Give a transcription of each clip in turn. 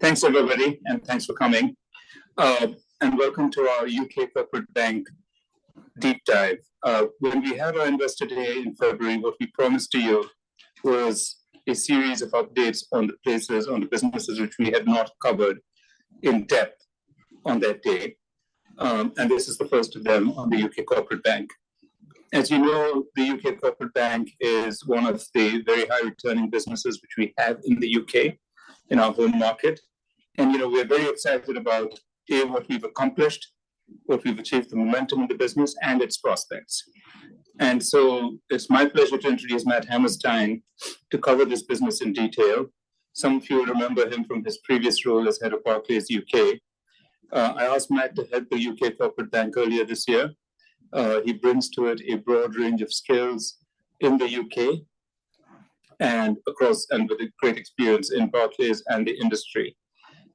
Thanks, everybody, and thanks for coming. Welcome to our U.K. Corporate Bank Deep Dive. When we had our investor day in February, what we promised to you was a series of updates on the places, on the businesses which we had not covered in depth on that day. This is the first of them on the U.K. Corporate Bank. As you know, the U.K. Corporate Bank is one of the very high-returning businesses which we have in the U.K., in our home market. We're very excited about, A, what we've accomplished, what we've achieved, the momentum in the business, and its prospects. So it's my pleasure to introduce Matt Hammerstein to cover this business in detail. Some of you will remember him from his previous role as head of Barclays U.K.. I asked Matt to head the U.K. Corporate Bank earlier this year. He brings to it a broad range of skills in the U.K. and across, and with a great experience in Barclays and the industry.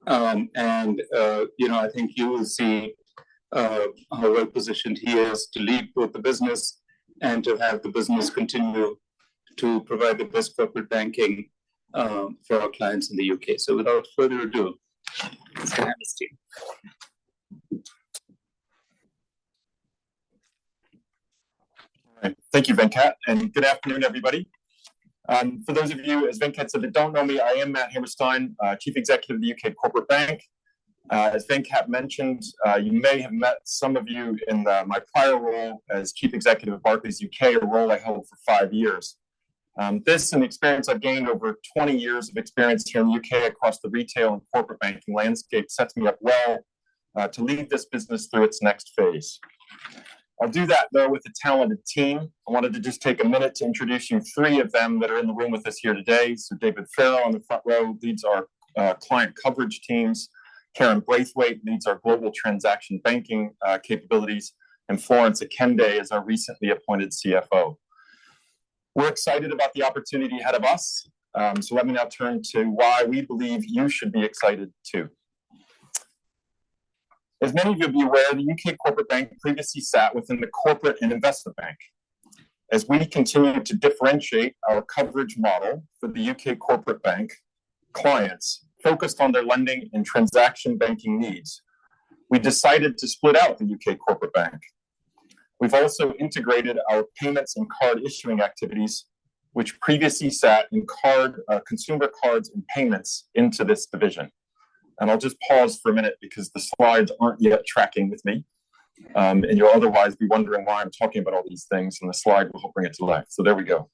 I think you will see how well positioned he is to lead both the business and to have the business continue to provide the best corporate banking for our clients in the U.K.. Without further ado, Mr. Hammerstein. Thank you, Venkat. Good afternoon, everybody. For those of you, as Venkat said, that don't know me, I am Matt Hammerstein, Chief Executive of the U.K. Corporate Bank. As Venkat mentioned, you may have met some of you in my prior role as Chief Executive of Barclays U.K., a role I held for five years. This and the experience I've gained over 20 years of experience here in the U.K. across the retail and corporate banking landscape sets me up well to lead this business through its next phase. I'll do that, though, with a talented team. I wanted to just take a minute to introduce you three of them that are in the room with us here today. David Farrow on the front row leads our client coverage teams. Karen Braithwaite leads our global transaction banking capabilities. And Florence Akende is our recently appointed CFO. We're excited about the opportunity ahead of us. So let me now turn to why we believe you should be excited too. As many of you will be aware, the U.K. Corporate Bank previously sat within the Corporate and Investment Bank. As we continued to differentiate our coverage model for the U.K. Corporate Bank clients focused on their lending and transaction banking needs, we decided to split out the U.K. Corporate Bank. We've also integrated our payments and card issuing activities, which previously sat in Consumer Cards and Payments into this division. I'll just pause for a minute because the slides aren't yet tracking with me. You'll otherwise be wondering why I'm talking about all these things. The slide will help bring it to life. So there we go.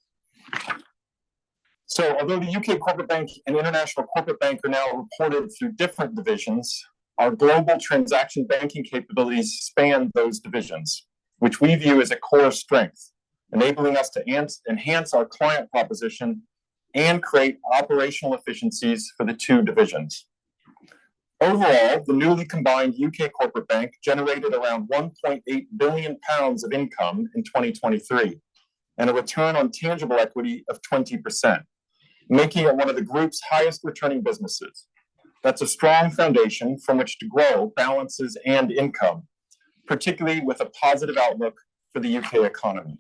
Although the U.K. Corporate Bank and International Corporate Bank are now reported through different divisions, our global transaction banking capabilities span those divisions, which we view as a core strength, enabling us to enhance our client proposition and create operational efficiencies for the two divisions. Overall, the newly combined U.K. Corporate Bank generated around 1.8 billion pounds of income in 2023 and a return on tangible equity of 20%, making it one of the group's highest returning businesses. That's a strong foundation from which to grow balances and income, particularly with a positive outlook for the U.K. economy.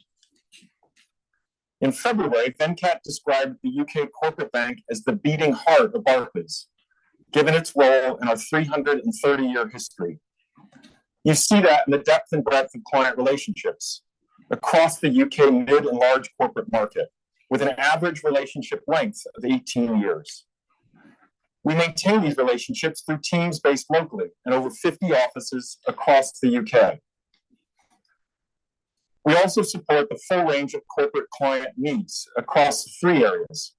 In February, Venkat described the U.K. Corporate Bank as the beating heart of Barclays, given its role in our 330-year history. You see that in the depth and breadth of client relationships across the U.K. mid and large corporate market, with an average relationship length of 18 years. We maintain these relationships through teams based locally and over 50 offices across the U.K.. We also support the full range of corporate client needs across three areas.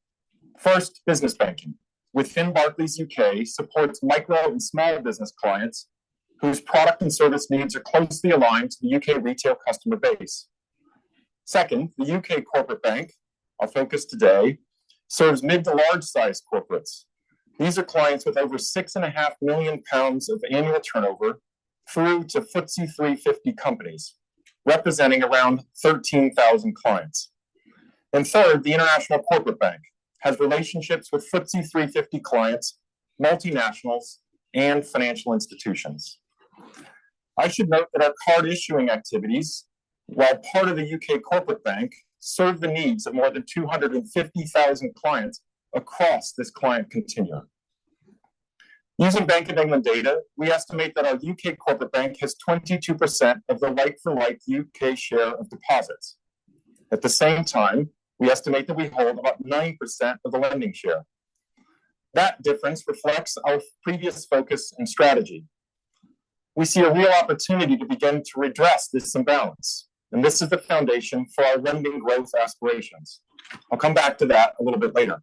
First, Business Banking. Within Barclays U.K. supports micro and small business clients whose product and service needs are closely aligned to the U.K. retail customer base. Second, the U.K. Corporate Bank, our focus today, serves mid- to large-sized corporates. These are clients with over 6.5 million pounds of annual turnover through to FTSE 350 companies, representing around 13,000 clients. Third, the International Corporate Bank has relationships with FTSE 350 clients, multinationals, and financial institutions. I should note that our card issuing activities, while part of the U.K. Corporate Bank, serve the needs of more than 250,000 clients across this client continuum. Using Bank of England data, we estimate that our U.K. Corporate Bank has 22% of the like-for-like U.K. share of deposits. At the same time, we estimate that we hold about 90% of the lending share. That difference reflects our previous focus and strategy. We see a real opportunity to begin to redress this imbalance. This is the foundation for our lending growth aspirations. I'll come back to that a little bit later.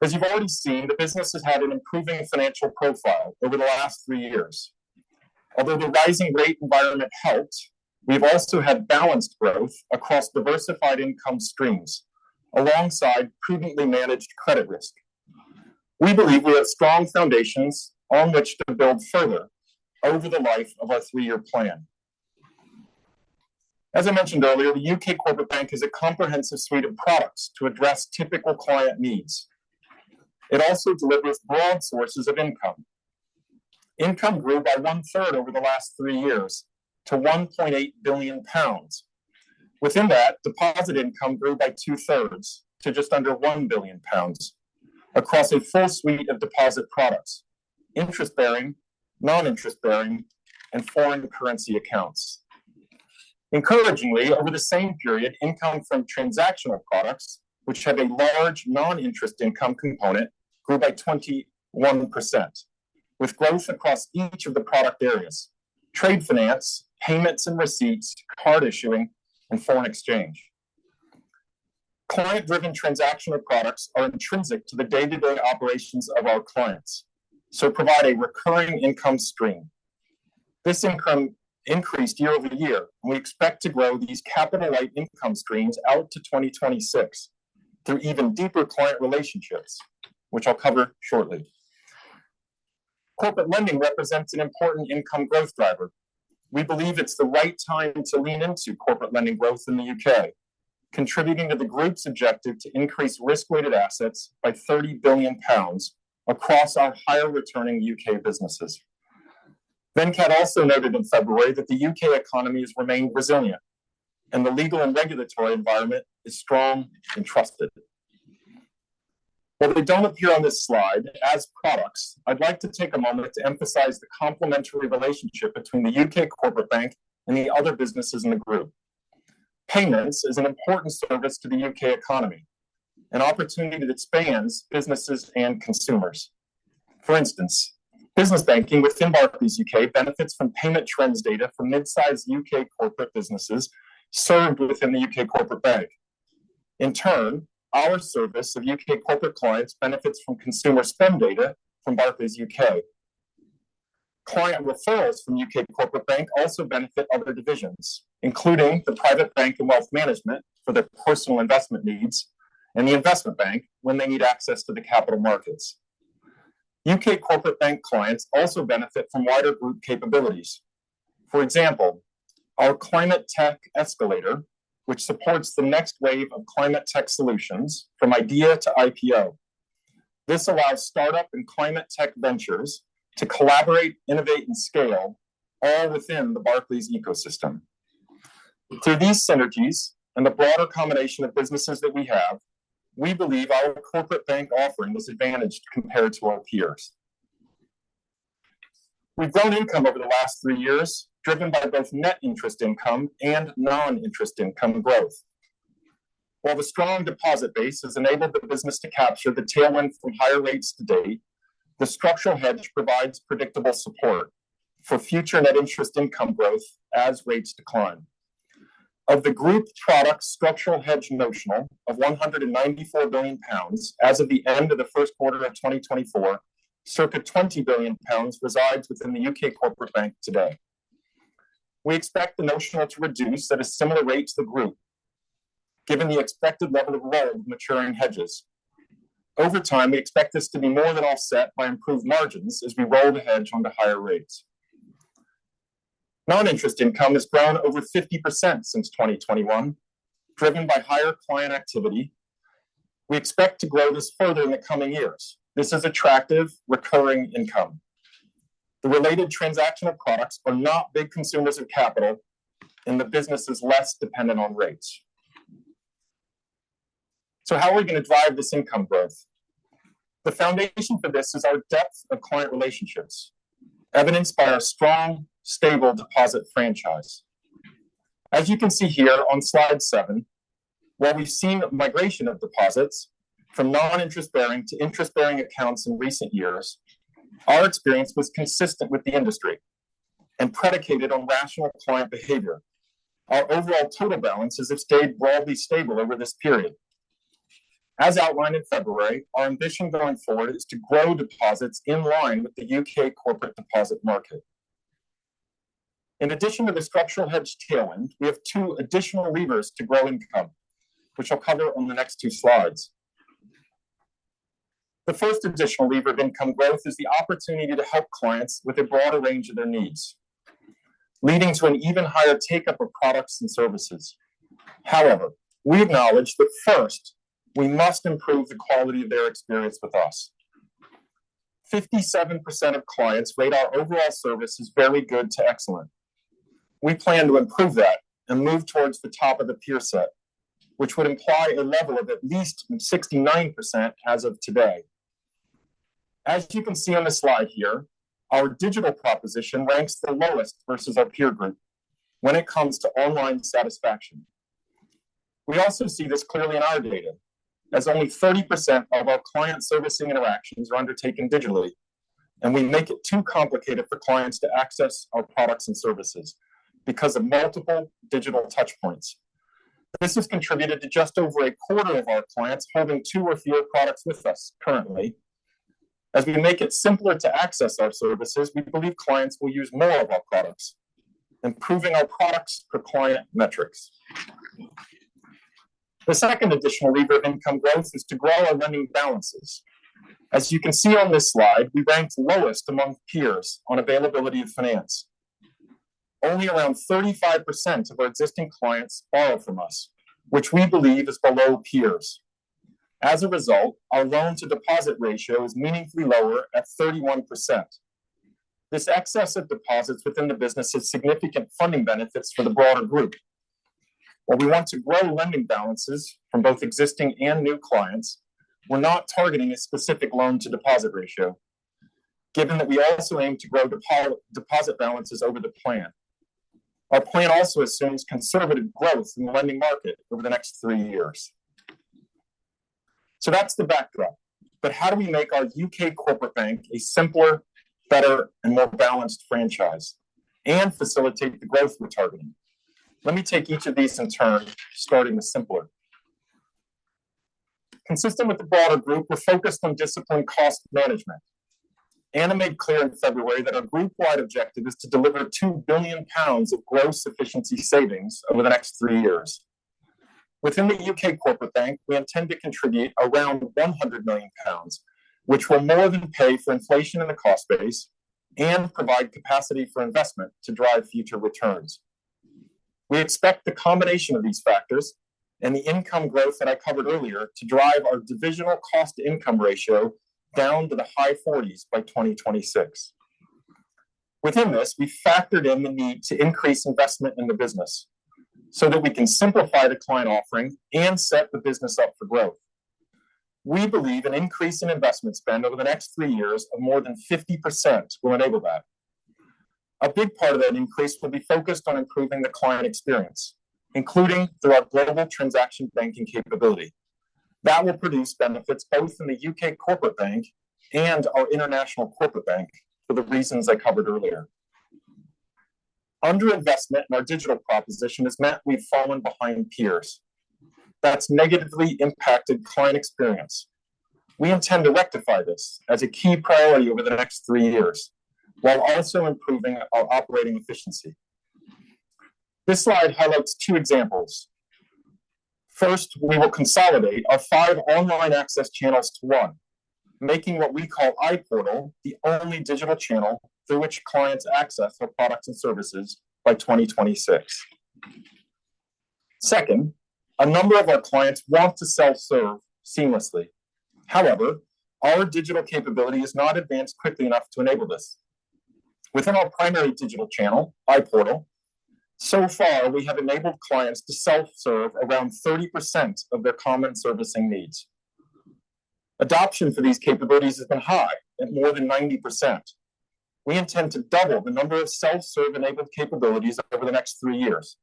As you've already seen, the business has had an improving financial profile over the last three years. Although the rising rate environment helped, we've also had balanced growth across diversified income streams alongside prudently managed credit risk. We believe we have strong foundations on which to build further over the life of our three-year plan. As I mentioned earlier, the U.K. Corporate Bank is a comprehensive suite of products to address typical client needs. It also delivers broad sources of income. Income grew by one-third over the last three years to 1.8 billion pounds. Within that, deposit income grew by two-thirds to just under 1 billion pounds across a full suite of deposit products, interest-bearing, non-interest-bearing, and foreign currency accounts. Encouragingly, over the same period, income from transactional products, which have a large non-interest income component, grew by 21%, with growth across each of the product areas: trade finance, payments and receipts, card issuing, and foreign exchange. Client-driven transactional products are intrinsic to the day-to-day operations of our clients, so provide a recurring income stream. This income increased year-over-year, and we expect to grow these capital-like income streams out to 2026 through even deeper client relationships, which I'll cover shortly. Corporate lending represents an important income growth driver. We believe it's the right time to lean into corporate lending growth in the U.K., contributing to the group's objective to increase risk-weighted assets by 30 billion pounds across our higher-returning U.K. businesses. Venkat also noted in February that the U.K. economy has remained resilient, and the legal and regulatory environment is strong and trusted. While they don't appear on this slide as products, I'd like to take a moment to emphasize the complementary relationship between the U.K. Corporate Bank and the other businesses in the group. Payments is an important service to the U.K. economy, an opportunity that spans businesses and consumers. For instance, Business Banking within Barclays U.K. benefits from payment trends data from mid-sized U.K. corporate businesses served within the U.K. Corporate Bank. In turn, our service of U.K. corporate clients benefits from consumer spend data from Barclays U.K.. Client referrals from U.K. Corporate Bank also benefit other divisions, including the Private Bank and Wealth Management for their personal investment needs and the investment bank when they need access to the capital markets. U.K. Corporate Bank clients also benefit from wider group capabilities. For example, our Climate Tech Escalator, which supports the next wave of climate tech solutions from idea to IPO. This allows startup and climate tech ventures to collaborate, innovate, and scale all within the Barclays ecosystem. Through these synergies and the broader combination of businesses that we have, we believe our corporate bank offering is advantaged compared to our peers. We've grown income over the last three years, driven by both net interest income and non-interest income growth. While the strong deposit base has enabled the business to capture the tailwind from higher rates to date, the Structural Hedge provides predictable support for future net interest income growth as rates decline. Of the group product structural hedge notional of 194 billion pounds as of the end of the first quarter of 2024, circa 20 billion pounds resides within the U.K. Corporate Bank today. We expect the notional to reduce at a similar rate to the group, given the expected level of roll of maturing hedges. Over time, we expect this to be more than offset by improved margins as we roll the hedge onto higher rates. Non-interest income has grown over 50% since 2021, driven by higher client activity. We expect to grow this further in the coming years. This is attractive, recurring income. The related transactional products are not big consumers of capital, and the business is less dependent on rates. So how are we going to drive this income growth? The foundation for this is our depth of client relationships, evidenced by our strong, stable deposit franchise. As you can see here on slide, while we've seen migration of deposits from non-interest-bearing to interest-bearing accounts in recent years, our experience was consistent with the industry and predicated on rational client behavior. Our overall total balance has stayed broadly stable over this period. As outlined in February, our ambition going forward is to grow deposits in line with the U.K. corporate deposit market. In addition to the structural hedge tailwind, we have two additional levers to grow income, which I'll cover on the next two slides. The first additional lever of income growth is the opportunity to help clients with a broader range of their needs, leading to an even higher take-up of products and services. However, we acknowledge that first, we must improve the quality of their experience with us. 57% of clients rate our overall service as very good to excellent. We plan to improve that and move towards the top of the peer set, which would imply a level of at least 69% as of today. As you can see on the slide here, our digital proposition ranks the lowest versus our peer group when it comes to online satisfaction. We also see this clearly in our data, as only 30% of our client servicing interactions are undertaken digitally, and we make it too complicated for clients to access our products and services because of multiple digital touchpoints. This has contributed to just over a quarter of our clients holding two or fewer products with us currently. As we make it simpler to access our services, we believe clients will use more of our products, improving our products for client metrics. The second additional lever of income growth is to grow our lending balances. As you can see on this slide, we ranked lowest among peers on availability of finance. Only around 35% of our existing clients borrow from us, which we believe is below peers. As a result, our loan-to-deposit ratio is meaningfully lower at 31%. This excess of deposits within the business has significant funding benefits for the broader group. While we want to grow lending balances from both existing and new clients, we're not targeting a specific loan-to-deposit ratio, given that we also aim to grow deposit balances over the plan. Our plan also assumes conservative growth in the lending market over the next three years. So that's the backdrop. But how do we make our U.K. Corporate Bank a simpler, better, and more balanced franchise and facilitate the growth we're targeting? Let me take each of these in turn, starting with simpler. Consistent with the broader group, we're focused on disciplined cost management. Anna made clear in February that our group-wide objective is to deliver 2 billion pounds of gross efficiency savings over the next three years. Within the U.K. Corporate Bank, we intend to contribute around 100 million pounds, which will more than pay for inflation in the cost base and provide capacity for investment to drive future returns. We expect the combination of these factors and the income growth that I covered earlier to drive our divisional cost-to-income ratio down to the high 40s by 2026. Within this, we factored in the need to increase investment in the business so that we can simplify the client offering and set the business up for growth. We believe an increase in investment spend over the next three years of more than 50% will enable that. A big part of that increase will be focused on improving the client experience, including through our global transaction banking capability. That will produce benefits both in the U.K. Corporate Bank and our international corporate bank for the reasons I covered earlier. Underinvestment in our digital proposition has meant we've fallen behind peers. That's negatively impacted client experience. We intend to rectify this as a key priority over the next three years, while also improving our operating efficiency. This slide highlights two examples. First, we will consolidate our five online access channels to one, making what we call iPortal the only digital channel through which clients access our products and services by 2026. Second, a number of our clients want to self-serve seamlessly. However, our digital capability is not advanced quickly enough to enable this. Within our primary digital channel, iPortal, so far, we have enabled clients to self-serve around 30% of their common servicing needs. Adoption for these capabilities has been high at more than 90%. We intend to double the number of self-serve-enabled capabilities over the next three years.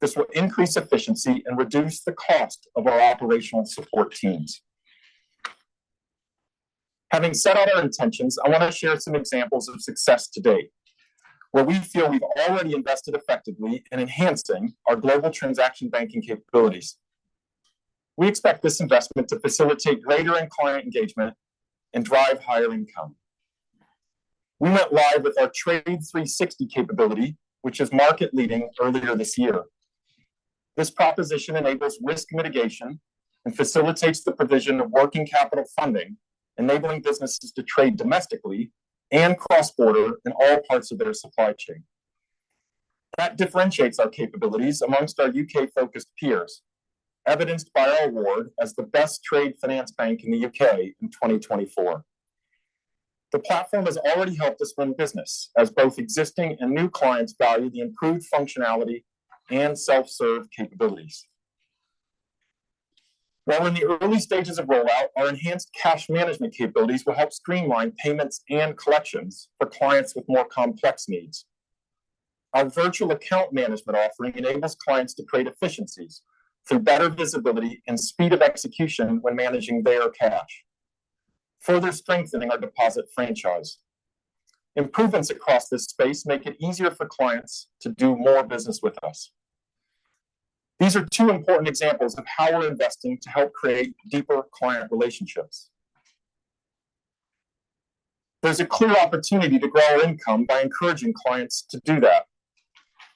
This will increase efficiency and reduce the cost of our operational support teams. Having set out our intentions, I want to share some examples of success to date, where we feel we've already invested effectively in enhancing our global transaction banking capabilities. We expect this investment to facilitate greater client engagement and drive higher income. We went live with our Trade 360 capability, which is market-leading earlier this year. This proposition enables risk mitigation and facilitates the provision of working capital funding, enabling businesses to trade domestically and cross-border in all parts of their supply chain. That differentiates our capabilities among our U.K.-focused peers, evidenced by our award as the best trade finance bank in the U.K. in 2024. The platform has already helped us run business, as both existing and new clients value the improved functionality and self-serve capabilities. While in the early stages of rollout, our enhanced cash management capabilities will help streamline payments and collections for clients with more complex needs. Our virtual account management offering enables clients to create efficiencies through better visibility and speed of execution when managing their cash, further strengthening our deposit franchise. Improvements across this space make it easier for clients to do more business with us. These are two important examples of how we're investing to help create deeper client relationships. There's a clear opportunity to grow our income by encouraging clients to do that.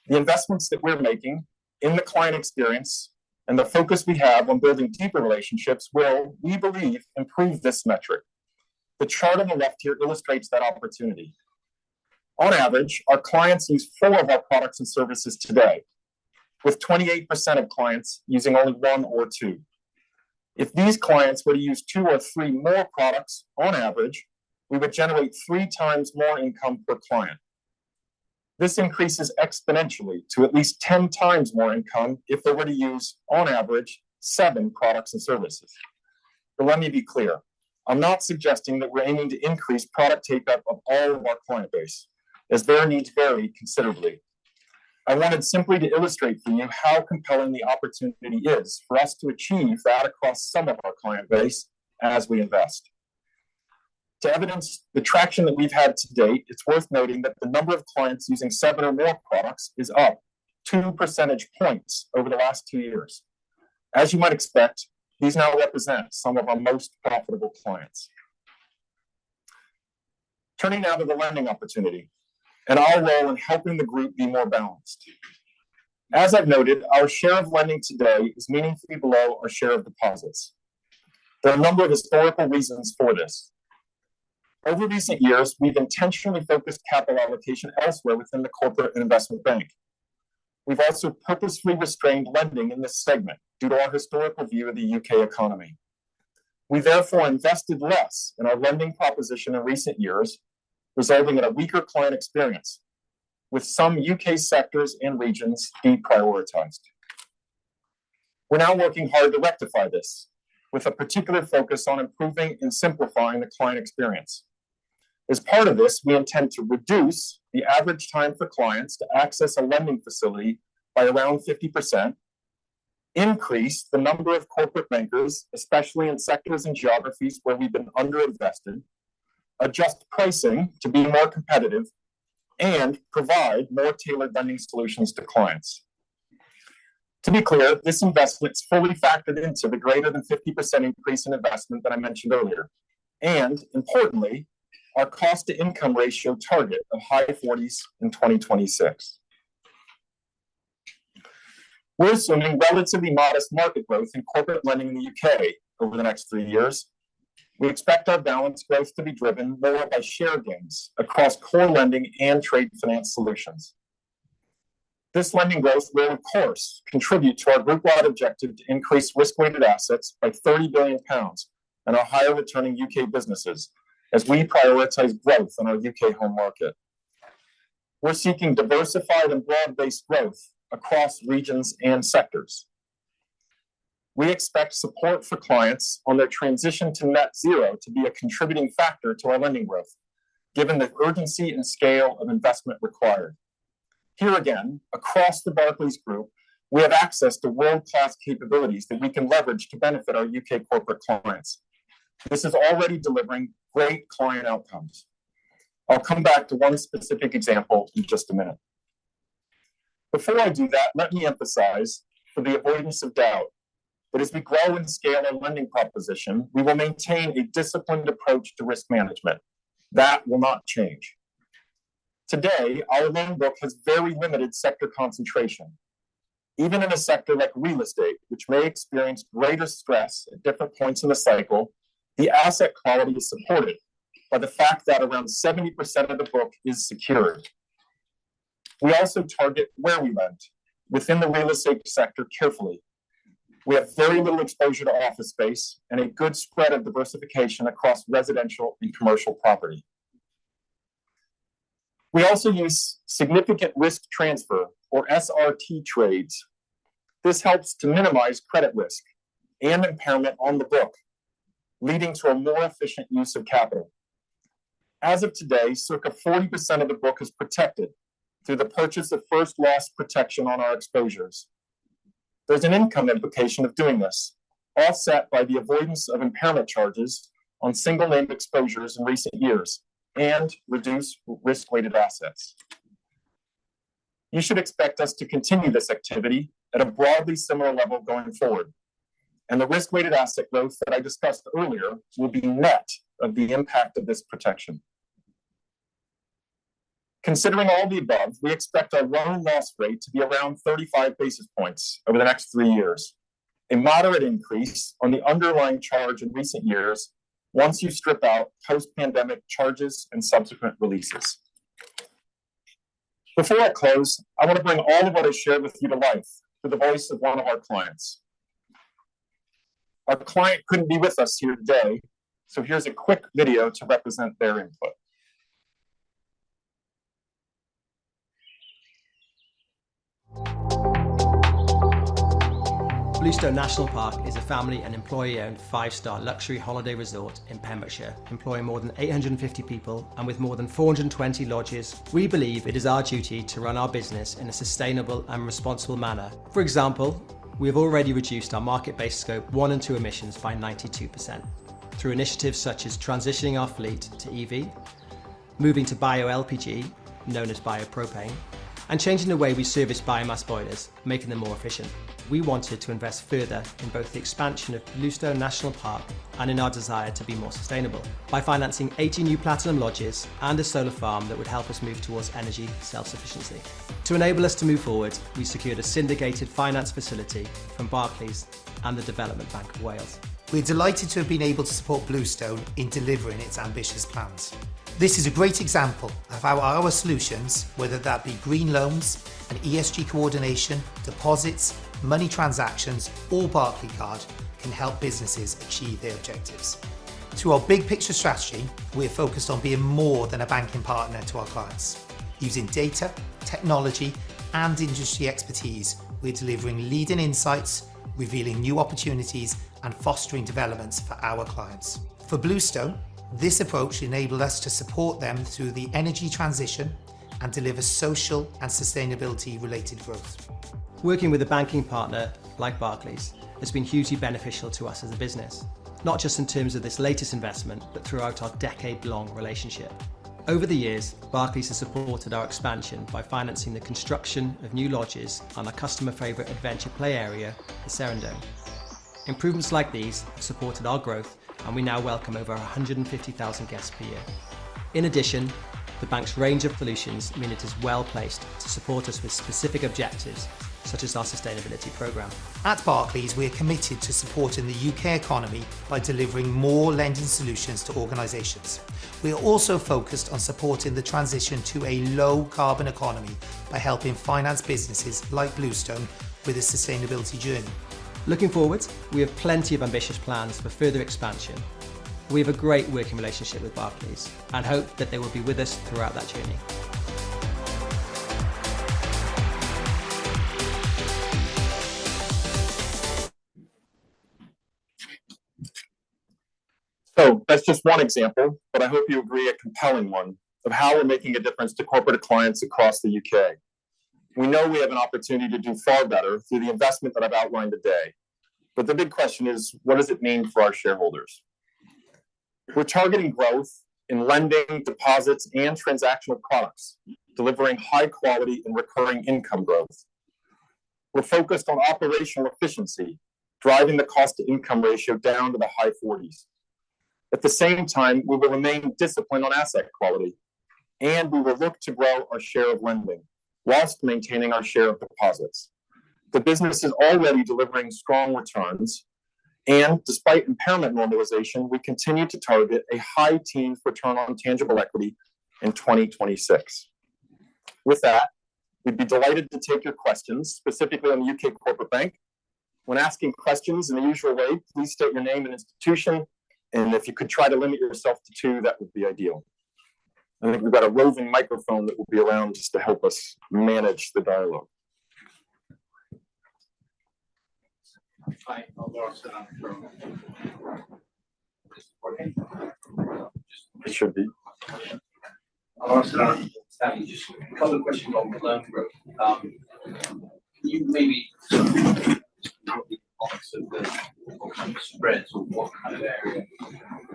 The investments that we're making in the client experience and the focus we have on building deeper relationships will, we believe, improve this metric. The chart on the left here illustrates that opportunity. On average, our clients use four of our products and services today, with 28% of clients using only one or two If these clients were to use two or three more products on average, we would generate three times more income per client. This increases exponentially to at least 10 times more income if they were to use, on average, products and services. But let me be clear. I'm not suggesting that we're aiming to increase product take-up of all of our client base, as their needs vary considerably. I wanted simply to illustrate for you how compelling the opportunity is for us to achieve that across some of our client base as we invest. To evidence the traction that we've had to date, it's worth noting that the number of clients using seven or more products is up two percentage points over the last two years. As you might expect, these now represent some of our most profitable clients. Turning now to the lending opportunity and our role in helping the group be more balanced. As I've noted, our share of lending today is meaningfully below our share of deposits. There are a number of historical reasons for this. Over recent years, we've intentionally focused capital allocation elsewhere within the corporate and investment bank. We've also purposefully restrained lending in this segment due to our historical view of the U.K. economy. We therefore invested less in our lending proposition in recent years, resulting in a weaker client experience, with some U.K. sectors and regions deprioritized. We're now working hard to rectify this, with a particular focus on improving and simplifying the client experience. As part of this, we intend to reduce the average time for clients to access a lending facility by around 50%, increase the number of corporate bankers, especially in sectors and geographies where we've been underinvested, adjust pricing to be more competitive, and provide more tailored lending solutions to clients. To be clear, this investment is fully factored into the greater than 50% increase in investment that I mentioned earlier, and importantly, our cost-to-income ratio target of high 40s in 2026. We're assuming relatively modest market growth in corporate lending in the U.K. over the next three years. We expect our balance growth to be driven more by share gains across core lending and trade finance solutions. This lending growth will, of course, contribute to our group-wide objective to increase risk-weighted assets by 30 billion pounds and our higher-returning U.K. businesses as we prioritize growth in our U.K. home market. We're seeking diversified and broad-based growth across regions and sectors. We expect support for clients on their transition to net zero to be a contributing factor to our lending growth, given the urgency and scale of investment required. Here again, across the Barclays Group, we have access to world-class capabilities that we can leverage to benefit our U.K. corporate clients. This is already delivering great client outcomes. I'll come back to one specific example in just a minute. Before I do that, let me emphasize, for the avoidance of doubt, that as we grow and scale our lending proposition, we will maintain a disciplined approach to risk management. That will not change. Today, our loan book has very limited sector concentration. Even in a sector like real estate, which may experience greater stress at different points in the cycle, the asset quality is supported by the fact that around 70% of the book is secured. We also target where we lend within the real estate sector carefully. We have very little exposure to office space and a good spread of diversification across residential and commercial property. We also use significant risk transfer, or SRT trades. This helps to minimize credit risk and impairment on the book, leading to a more efficient use of capital. As of today, circa 40% of the book is protected through the purchase of first-loss protection on our exposures. There's an income implication of doing this, offset by the avoidance of impairment charges on single-named exposures in recent years and reduced risk-weighted assets. You should expect us to continue this activity at a broadly similar level going forward, and the risk-weighted asset growth that I discussed earlier will be net of the impact of this protection. Considering all the above, we expect our loan loss rate to be around 35 basis points over the next three years, a moderate increase on the underlying charge in recent years once you strip out post-pandemic charges and subsequent releases. Before I close, I want to bring all of what I shared with you to life through the voice of one of our clients. Our client couldn't be with us here today, so here's a quick video to represent their input. Bluestone National Park is a family and employee-owned five-star luxury holiday resort in Pembrokeshire, employing more than 850 people and with more than 420 lodges. We believe it is our duty to run our business in a sustainable and responsible manner. For example, we have already reduced our market-based Scope one and two emissions by 92% through initiatives such as transitioning our fleet to EV, moving to bio-LPG, known as iopropane, and changing the way we service biomass boilers, making them more efficient. We wanted to invest further in both the expansion of Bluestone National Park and in our desire to be more sustainable by financing 80 new platinum lodges and a solar farm that would help us move towards energy self-sufficiency. To enable us to move forward, we secured a syndicated finance facility from Barclays and te Development Bank of Wales. We're delighted to have been able to support Bluestone in delivering its ambitious plans. This is a great example of how our solutions, whether that be green loans, ESG coordination, deposits, money transactions, or Barclaycard, can help businesses achieve their objectives. Through our big-picture strategy, we're focused on being more than a banking partner to our clients. Using data, technology, and industry expertise, we're delivering leading insights, revealing new opportunities, and fostering developments for our clients. For Bluestone, this approach enabled us to support them through the energy transition and deliver social and sustainability-related growth. Working with a banking partner like Barclays has been hugely beneficial to us as a business, not just in terms of this latest investment, but throughout our decade-long relationship. Over the years, Barclays has supported our expansion by financing the construction of new lodges on our customer-favorite adventure play area, the Serendome. Improvements like these have supported our growth, and we now welcome over 150,000 guests per year. In addition, the bank's range of solutions means it is well-placed to support us with specific objectives, such as our sustainability program. At Barclays, we are committed to supporting the U.K. economy by delivering more lending solutions to organizations. We are also focused on supporting the transition to a low-carbon economy by helping finance businesses like Bluestone with a sustainability journey. Looking forward, we have plenty of ambitious plans for further expansion. We have a great working relationship with Barclays and hope that they will be with us throughout that journey. That's just one example, but I hope you agree a compelling one of how we're making a difference to corporate clients across the U.K.. We know we have an opportunity to do far better through the investment that I've outlined today, but the big question is, what does it mean for our shareholders? We're targeting growth in lending, deposits, and transactional products, delivering high-quality and recurring income growth. We're focused on operational efficiency, driving the cost-to-income ratio down to the high 40s. At the same time, we will remain disciplined on asset quality, and we will look to grow our share of lending whilst maintaining our share of deposits. The business is already delivering strong returns, and despite impairment normalization, we continue to target a high-teens return on tangible equity in 2026. With that, we'd be delighted to take your questions, specifically on the U.K. corporate bank. When asking questions in the usual way, please state your name and institution, and if you could try to limit yourself to two, that would be ideal. I think we've got a roving microphone that will be around just to help us manage the dialogue. It should be. A couple of questions on the loan group. Can you maybe talk about the spreads or what kind of area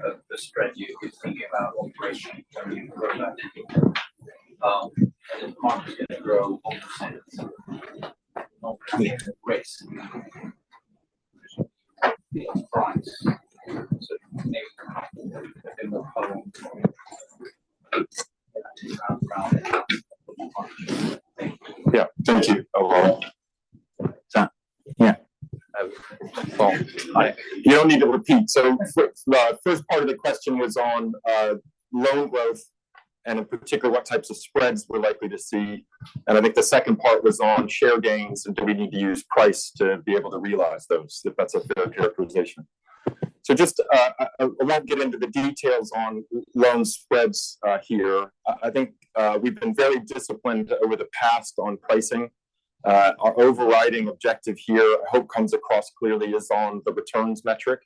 of the spread you're thinking about operationally when you grow that? And if the market's going to grow 1%, not risk, price, so a bit more column. Yeah. Thank you. Yeah. Well, you don't need to repeat. So the first part of the question was on loan growth and, in particular, what types of spreads we're likely to see. And I think the second part was on share gains and do we need to use price to be able to realize those, if that's a fair characterization. So I won't get into the details on loan spreads here. I think we've been very disciplined over the past on pricing. Our overriding objective here, I hope comes across clearly, is on the returns metric.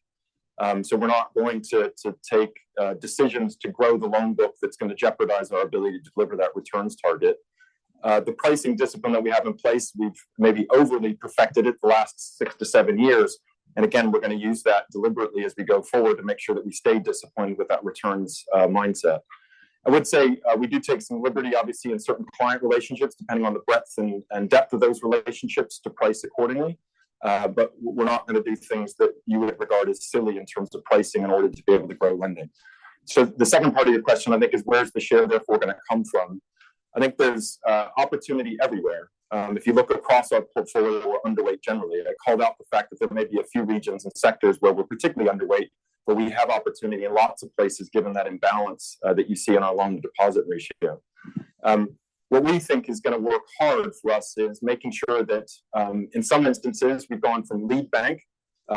So we're not going to take decisions to grow the loan book that's going to jeopardize our ability to deliver that returns target. The pricing discipline that we have in place, we've maybe overly perfected it the last 2-7 years. And again, we're going to use that deliberately as we go forward to make sure that we stay disciplined with that returns mindset. I would say we do take some liberty, obviously, in certain client relationships, depending on the breadth and depth of those relationships, to price accordingly. But we're not going to do things that you would regard as silly in terms of pricing in order to be able to grow lending. So the second part of your question, I think, is where's the share, therefore, going to come from? I think there's opportunity everywhere. If you look across our portfolio or underweight generally, I called out the fact that there may be a few regions and sectors where we're particularly underweight, but we have opportunity in lots of places given that imbalance that you see in our loan-to-deposit ratio. What we think is going to work hard for us is making sure that in some instances we've gone from lead bank,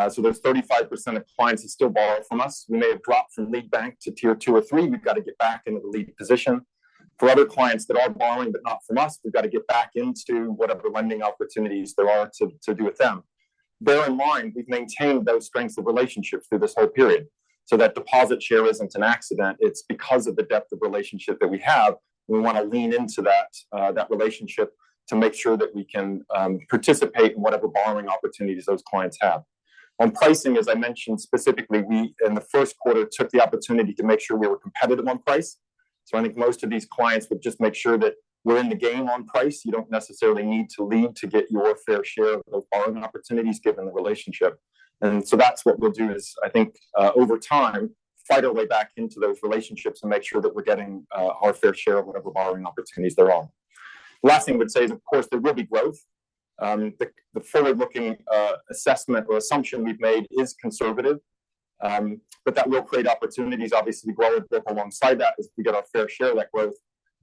so there's 35% of clients who still borrow from us. We may have dropped from lead bank to tier two or three. We've got to get back into the lead position. For other clients that are borrowing but not from us, we've got to get back into whatever lending opportunities there are to do with them. Bear in mind, we've maintained those strengths of relationships through this whole period so that deposit share isn't an accident. It's because of the depth of relationship that we have. We want to lean into that relationship to make sure that we can participate in whatever borrowing opportunities those clients have. On pricing, as I mentioned specifically, we in the first quarter took the opportunity to make sure we were competitive on price. So I think most of these clients would just make sure that we're in the game on price. You don't necessarily need to lead to get your fair share of those borrowing opportunities given the relationship. And so that's what we'll do is, I think, over time, fight our way back into those relationships and make sure that we're getting our fair share of whatever borrowing opportunities there are. Last thing I would say is, of course, there will be growth. The forward-looking assessment or assumption we've made is conservative, but that will create opportunities, obviously, to grow with both alongside that as we get our fair share of that growth.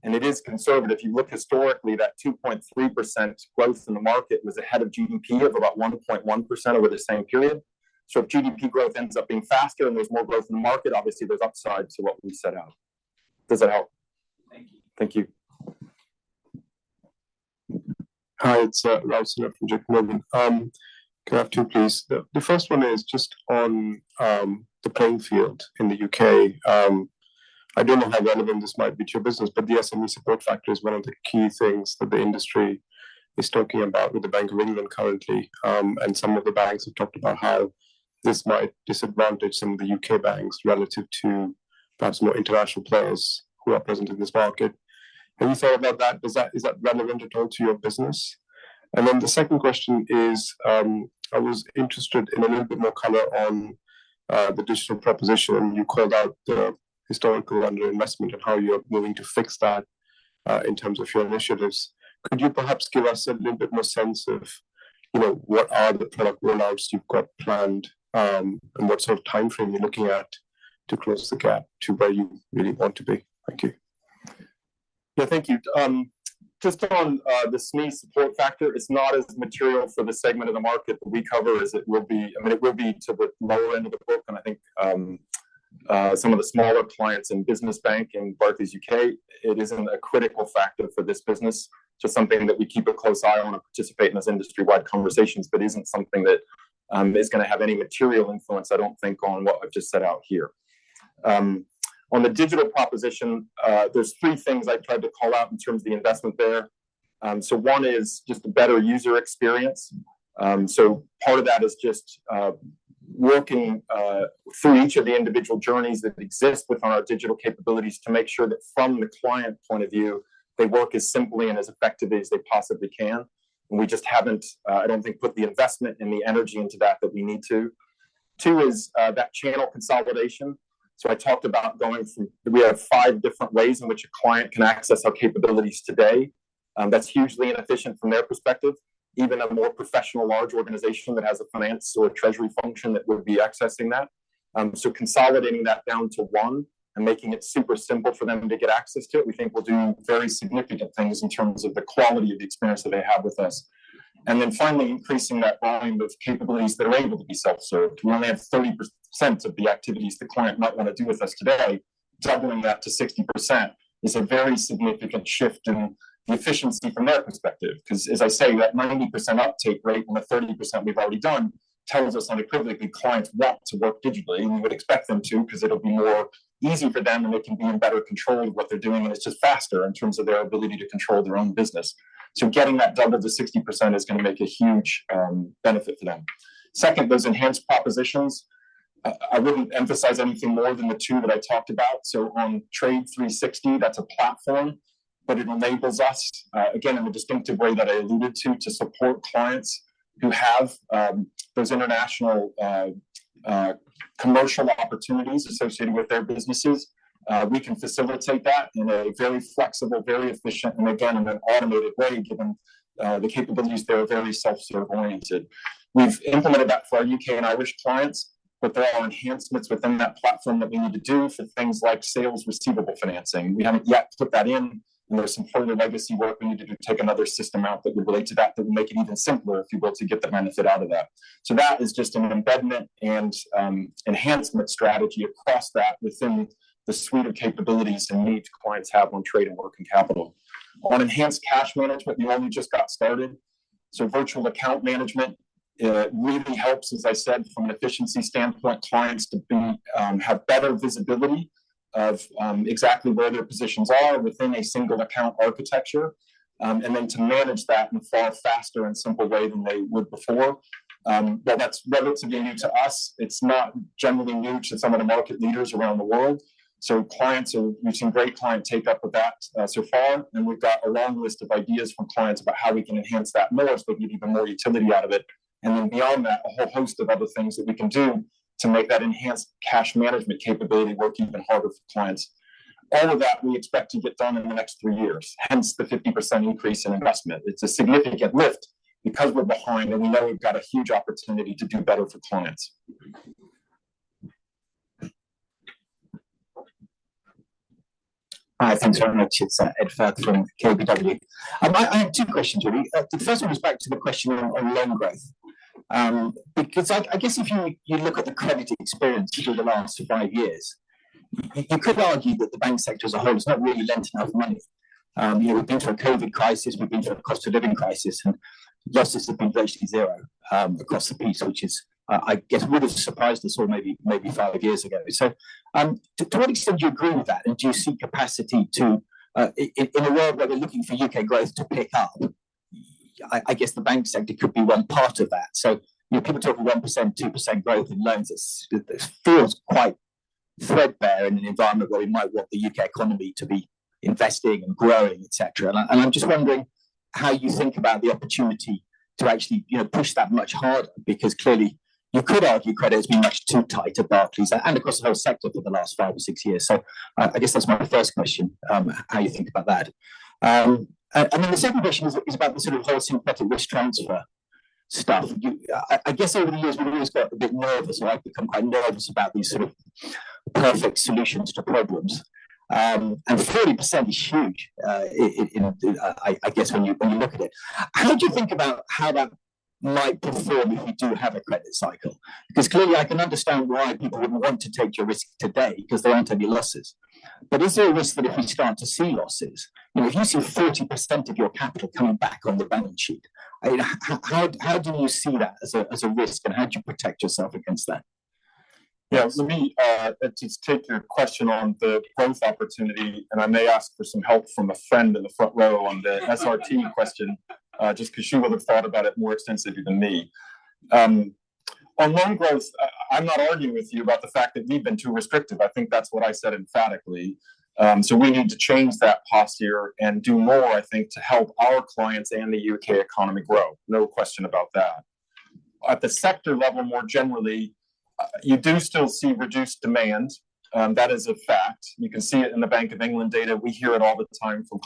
It is conservative. If you look historically, that 2.3% growth in the market was ahead of GDP of about 1.1% over the same period. So if GDP growth ends up being faster and there's more growth in the market, obviously, there's upside to what we set out. Does that help? Thank you. Thank you. Hi, it'sRaul Sinha from JP Morgan. Can I have two, please? The first one is just on the playing field in the U.K.. I don't know how relevant this might be to your business, but the SME support factor is one of the key things that the industry is talking about with the Bank of England currently. Some of the banks have talked about how this might disadvantage some of the U.K. banks relative to perhaps more international players who are present in this market. When you thought about that, is that relevant at all to your business? And then the second question is, I was interested in a little bit more color on the digital proposition. You called out the historical underinvestment and how you're willing to fix that in terms of your initiatives. Could you perhaps give us a little bit more sense of what are the product rollouts you've got planned and what sort of timeframe you're looking at to close the gap to where you really want to be? Thank you. Yeah, thank you. Just on the SME support factor, it's not as material for the segment of the market that we cover as it will be. I mean, it will be to the lower end of the book, and I think some of the smaller clients in business bank in Barclays U.K., it isn't a critical factor for this business, just something that we keep a close eye on and participate in those industry-wide conversations, but isn't something that is going to have any material influence, I don't think, on what I've just set out here. On the digital proposition, there's three things I've tried to call out in terms of the investment there. So one is just a better user experience. So part of that is just working through each of the individual journeys that exist within our digital capabilities to make sure that from the client point of view, they work as simply and as effectively as they possibly can. We just haven't, I don't think, put the investment and the energy into that that we need to. Two is that channel consolidation. So I talked about going from we have five different ways in which a client can access our capabilities today. That's hugely inefficient from their perspective, even a more professional large organization that has a finance or a treasury function that would be accessing that. So consolidating that down to one and making it super simple for them to get access to it, we think will do very significant things in terms of the quality of the experience that they have with us. Then finally, increasing that volume of capabilities that are able to be self-served. We only have 30% of the activities the client might want to do with us today. Doubling that to 60% is a very significant shift in the efficiency from their perspective. Because, as I say, that 90% uptake rate and the 30% we've already done tells us unequivocally clients want to work digitally, and we would expect them to because it'll be more easy for them, and they can be in better control of what they're doing, and it's just faster in terms of their ability to control their own business. So getting that double to 60% is going to make a huge benefit for them. Second, those enhanced propositions. I wouldn't emphasize anything more than the two that I talked about. So on Trade 360, that's a platform, but it enables us, again, in the distinctive way that I alluded to, to support clients who have those international commercial opportunities associated with their businesses. We can facilitate that in a very flexible, very efficient, and again, in an automated way, given the capabilities that are very self-serve oriented. We've implemented that for our U.K. and Irish clients, but there are enhancements within that platform that we need to do for things like sales receivable financing. We haven't yet put that in, and there's some further legacy work. We needed to take another system out that would relate to that that would make it even simpler if you were to get the benefit out of that. So that is just an embedment and enhancement strategy across that within the suite of capabilities and needs clients have on trade and working capital. On enhanced cash management, we only just got started. So Virtual Account Management really helps, as I said, from an efficiency standpoint, clients to have better visibility of exactly where their positions are within a single account architecture and then to manage that in a far faster and simpler way than they would before. While that's relatively new to us, it's not generally new to some of the market leaders around the world. So clients are using great client take-up with that so far, and we've got a long list of ideas from clients about how we can enhance that more so we can get even more utility out of it. And then beyond that, a whole host of other things that we can do to make that enhanced cash management capability work even harder for clients. All of that we expect to get done in the next three years, hence the 50% increase in investment. It's a significant lift because we're behind, and we know we've got a huge opportunity to do better for clients. Hi, I'm Jonathan Schutz, Ed Firth from KBW. I have two questions, really. The first one is back to the question on loan growth. Because I guess if you look at the credit experience through the last five years, you could argue that the bank sector as a whole has not really lent enough money. We've been through a COVID crisis. We've been through a cost-of-living crisis, and losses have been virtually zero across the piece, which is, I guess, would have surprised us all maybe five years ago. So to what extent do you agree with that, and do you see capacity to, in a world where we're looking for U.K. growth to pick up, I guess the bank sector could be one part of that? People talk of 1%-2% growth in loans. It feels quite threadbare in an environment where we might want the U.K. economy to be investing and growing, etc. I'm just wondering how you think about the opportunity to actually push that much harder because clearly you could argue credit has been much too tight at Barclays and across the whole sector for the last five or six years. I guess that's my first question, how you think about that. Then the second question is about the sort of whole synthetic risk transfer stuff. I guess over the years we've always got a bit nervous, or I've become quite nervous about these sort of perfect solutions to problems. 40% is huge, I guess, when you look at it. How do you think about how that might perform if we do have a credit cycle? Because clearly I can understand why people wouldn't want to take your risk today because there aren't any losses. But is there a risk that if we start to see losses, if you see 40% of your capital coming back on the balance sheet, how do you see that as a risk, and how do you protect yourself against that? Yeah. For me, to take your question on the growth opportunity, and I may ask for some help from a friend in the front row on the SRT question just because she would have thought about it more extensively than me. On loan growth, I'm not arguing with you about the fact that we've been too restrictive. I think that's what I said emphatically. So we need to change that posture and do more, I think, to help our clients and the U.K. economy grow. No question about that. At the sector level more generally, you do still see reduced demand. That is a fact. You can see it in the Bank of England data. We hear it all the time from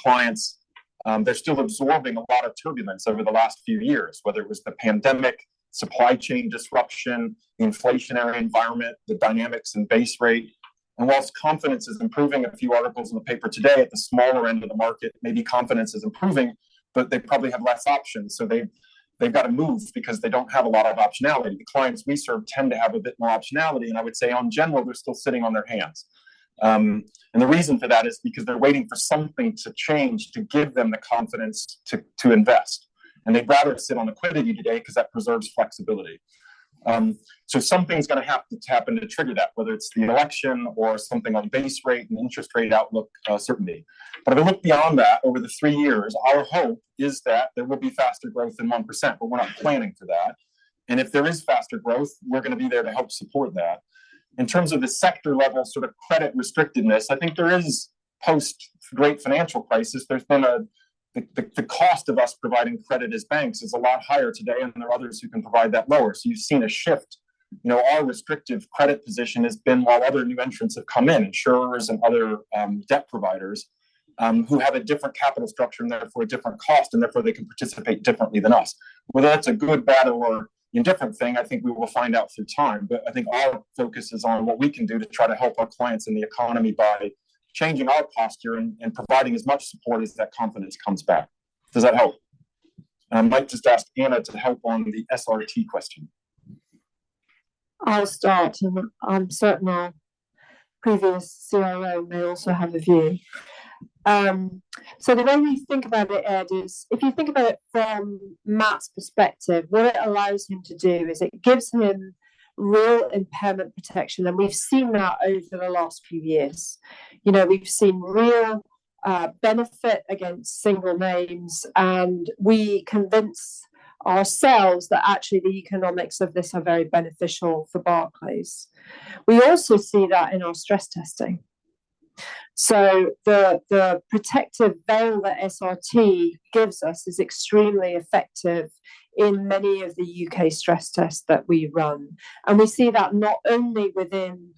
clients. They're still absorbing a lot of turbulence over the last few years, whether it was the pandemic, supply chain disruption, the inflationary environment, the dynamics in base rate. While confidence is improving, a few articles in the paper today at the smaller end of the market, maybe confidence is improving, but they probably have less options. They've got to move because they don't have a lot of optionality. The clients we serve tend to have a bit more optionality, and I would say in general, they're still sitting on their hands. The reason for that is because they're waiting for something to change to give them the confidence to invest. They'd rather sit on liquidity today because that preserves flexibility. Something's going to have to happen to trigger that, whether it's the election or something on base rate and interest rate outlook certainty. But if we look beyond that, over the three years, our hope is that there will be faster growth than 1%, but we're not planning for that. If there is faster growth, we're going to be there to help support that. In terms of the sector-level sort of credit restrictedness, I think, post-Great Financial Crisis, there's been the cost of us providing credit as banks is a lot higher today, and there are others who can provide that lower. So you've seen a shift. Our restrictive credit position has been, while other new entrants have come in, insurers and other debt providers who have a different capital structure and therefore a different cost, and therefore they can participate differently than us. Whether that's a good, bad, or indifferent thing, I think we will find out through time. But I think our focus is on what we can do to try to help our clients and the economy by changing our posture and providing as much support as that confidence comes back. Does that help? And I might just ask Anna to help on the SRT question. I'll start, and I'm certain our previous CIO may also have a view. So the way we think about it, Ed, is if you think about it from Matt's perspective, what it allows him to do is it gives him real impairment protection, and we've seen that over the last few years. We've seen real benefit against single names, and we convince ourselves that actually the economics of this are very beneficial for Barclays. We also see that in our stress testing. So the protective veil that SRT gives us is extremely effective in many of the U.K. stress tests that we run. And we see that not only within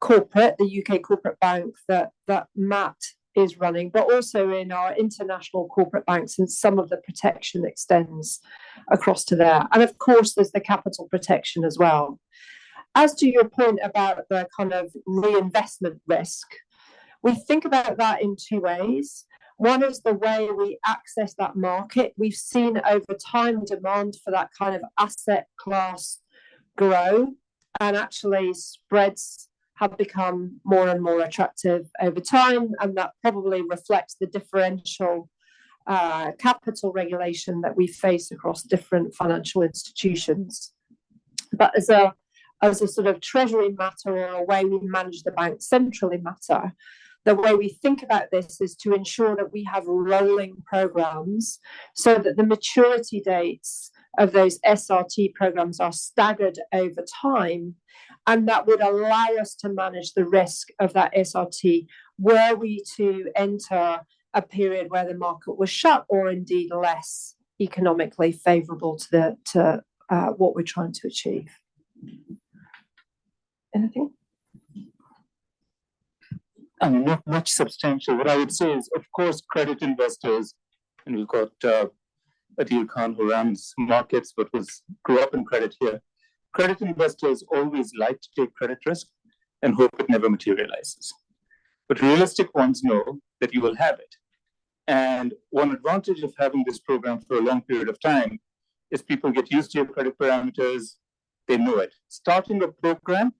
corporate, the U.K. Corporate Bank that Matt is running, but also in our international corporate banks, and some of the protection extends across to there. And of course, there's the capital protection as well. As to your point about the kind of reinvestment risk, we think about that in two ways. One is the way we access that market. We've seen over time demand for that kind of asset class grow, and actually spreads have become more and more attractive over time, and that probably reflects the differential capital regulation that we face across different financial institutions. But as a sort of treasury matter or the way we manage the bank centrally matter, the way we think about this is to ensure that we have rolling programs so that the maturity dates of those SRT programs are staggered over time, and that would allow us to manage the risk of that SRT were we to enter a period where the market was shut or indeed less economically favorable to what we're trying to achieve. Anything? I mean, not much substantial. What I would say is, of course, credit investors, and we've got Adeel Khan who runs markets, but who grew up in credit here. Credit investors always like to take credit risk and hope it never materializes. But realistic ones know that you will have it. One advantage of having this program for a long period of time is people get used to your credit parameters. They know it. Starting a program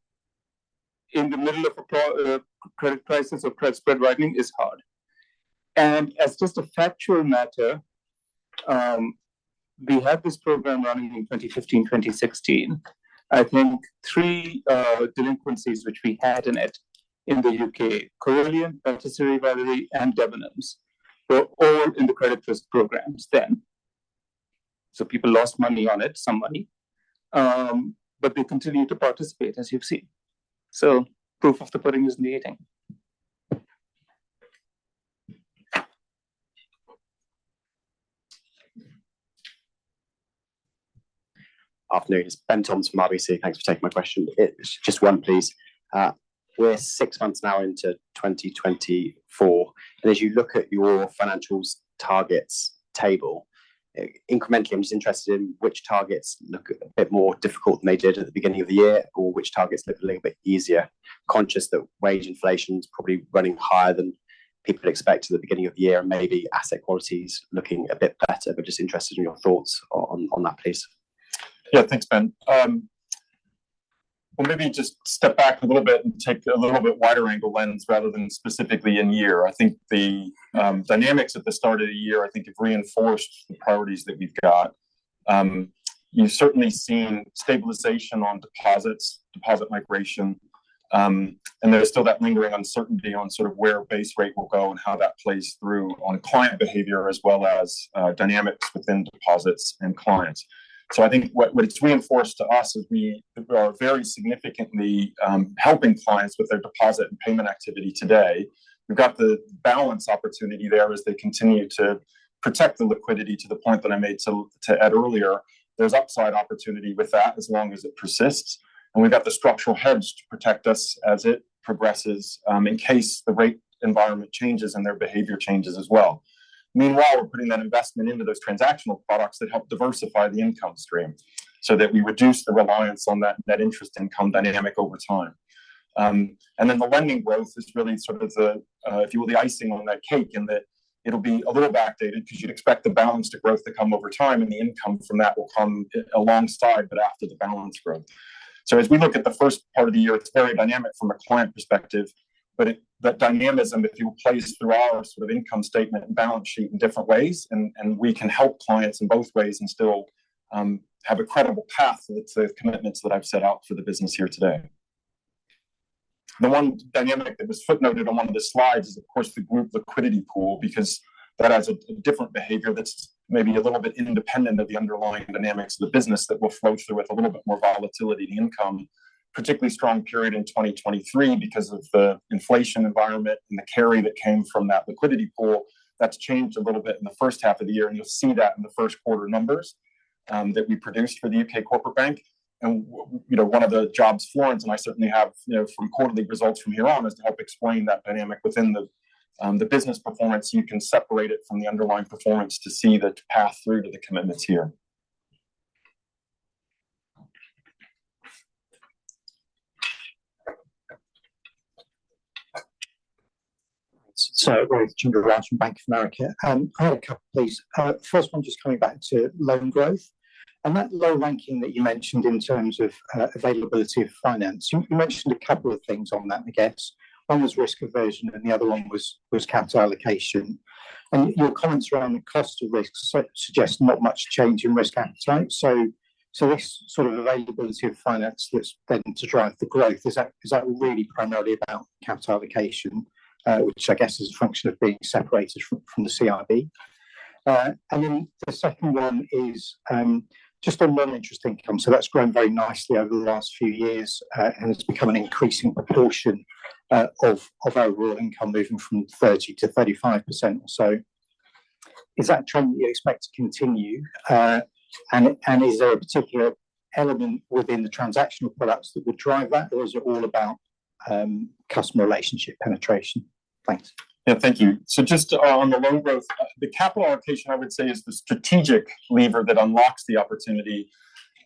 in the middle of a credit crisis or credit spread widening is hard. As just a factual matter, we had this program running in 2015, 2016. I think three delinquencies which we had in it in the U.K., Carillion, Patisserie Valerie, and Debenhams, were all in the credit risk programs then. So people lost money on it, some money, but they continued to participate, as you've seen. So proof of the pudding is in the eating. Afternoon. It's Ben Toms, RBC. Thanks for taking my question. Just one, please. We're six months now into 2024. And as you look at your financials targets table, incrementally, I'm just interested in which targets look a bit more difficult than they did at the beginning of the year, or which targets look a little bit easier, conscious that wage inflation is probably running higher than people expect at the beginning of the year, and maybe asset qualities looking a bit better. But just interested in your thoughts on that, please. Yeah. Thanks, Ben. Well, maybe just step back a little bit and take a little bit wider angle lens rather than specifically in year. I think the dynamics at the start of the year, I think, have reinforced the priorities that we've got. You've certainly seen stabilization on deposits, deposit migration, and there's still that lingering uncertainty on sort of where base rate will go and how that plays through on client behavior as well as dynamics within deposits and clients. So I think what it's reinforced to us is we are very significantly helping clients with their deposit and payment activity today. We've got the balance opportunity there as they continue to protect the liquidity to the point that I made to add earlier. There's upside opportunity with that as long as it persists. And we've got the structural hedge to protect us as it progresses in case the rate environment changes and their behavior changes as well. Meanwhile, we're putting that investment into those transactional products that help diversify the income stream so that we reduce the reliance on that net interest income dynamic over time. And then the lending growth is really sort of the, if you will, the icing on that cake in that it'll be a little backdated because you'd expect the balance to growth to come over time, and the income from that will come alongside but after the balance growth. So as we look at the first part of the year, it's very dynamic from a client perspective, but that dynamism, if you will, plays through our sort of income statement and balance sheet in different ways, and we can help clients in both ways and still have a credible path to the commitments that I've set out for the business here today. The one dynamic that was footnoted on one of the slides is, of course, the group liquidity pool because that has a different behavior that's maybe a little bit independent of the underlying dynamics of the business that will flow through with a little bit more volatility in income. Particularly strong period in 2023 because of the inflation environment and the carry that came from that liquidity pool. That's changed a little bit in the first half of the year, and you'll see that in the first quarter numbers that we produced for the U.K. corporate bank. One of the jobs Florence and I certainly have from quarterly results from here on is to help explain that dynamic within the business performance. You can separate it from the underlying performance to see the path through to the commitments here. So Rohith Chandra-Rajan from Bank of America. I had a couple of these. First one, just coming back to loan growth. That low ranking that you mentioned in terms of availability of finance, you mentioned a couple of things on that, I guess. One was risk aversion, and the other one was capital allocation. Your comments around the cost of risk suggest not much change in risk appetite. So this sort of availability of finance that's then to drive the growth, is that really primarily about capital allocation, which I guess is a function of being separated from the CIB? And then the second one is just on loan interest income. So that's grown very nicely over the last few years, and it's become an increasing proportion of our income moving from 30%-35% or so. Is that trend that you expect to continue? Is there a particular element within the transactional products that would drive that, or is it all about customer relationship penetration? Thanks. Yeah. Thank you. So just on the loan growth, the capital allocation, I would say, is the strategic lever that unlocks the opportunity.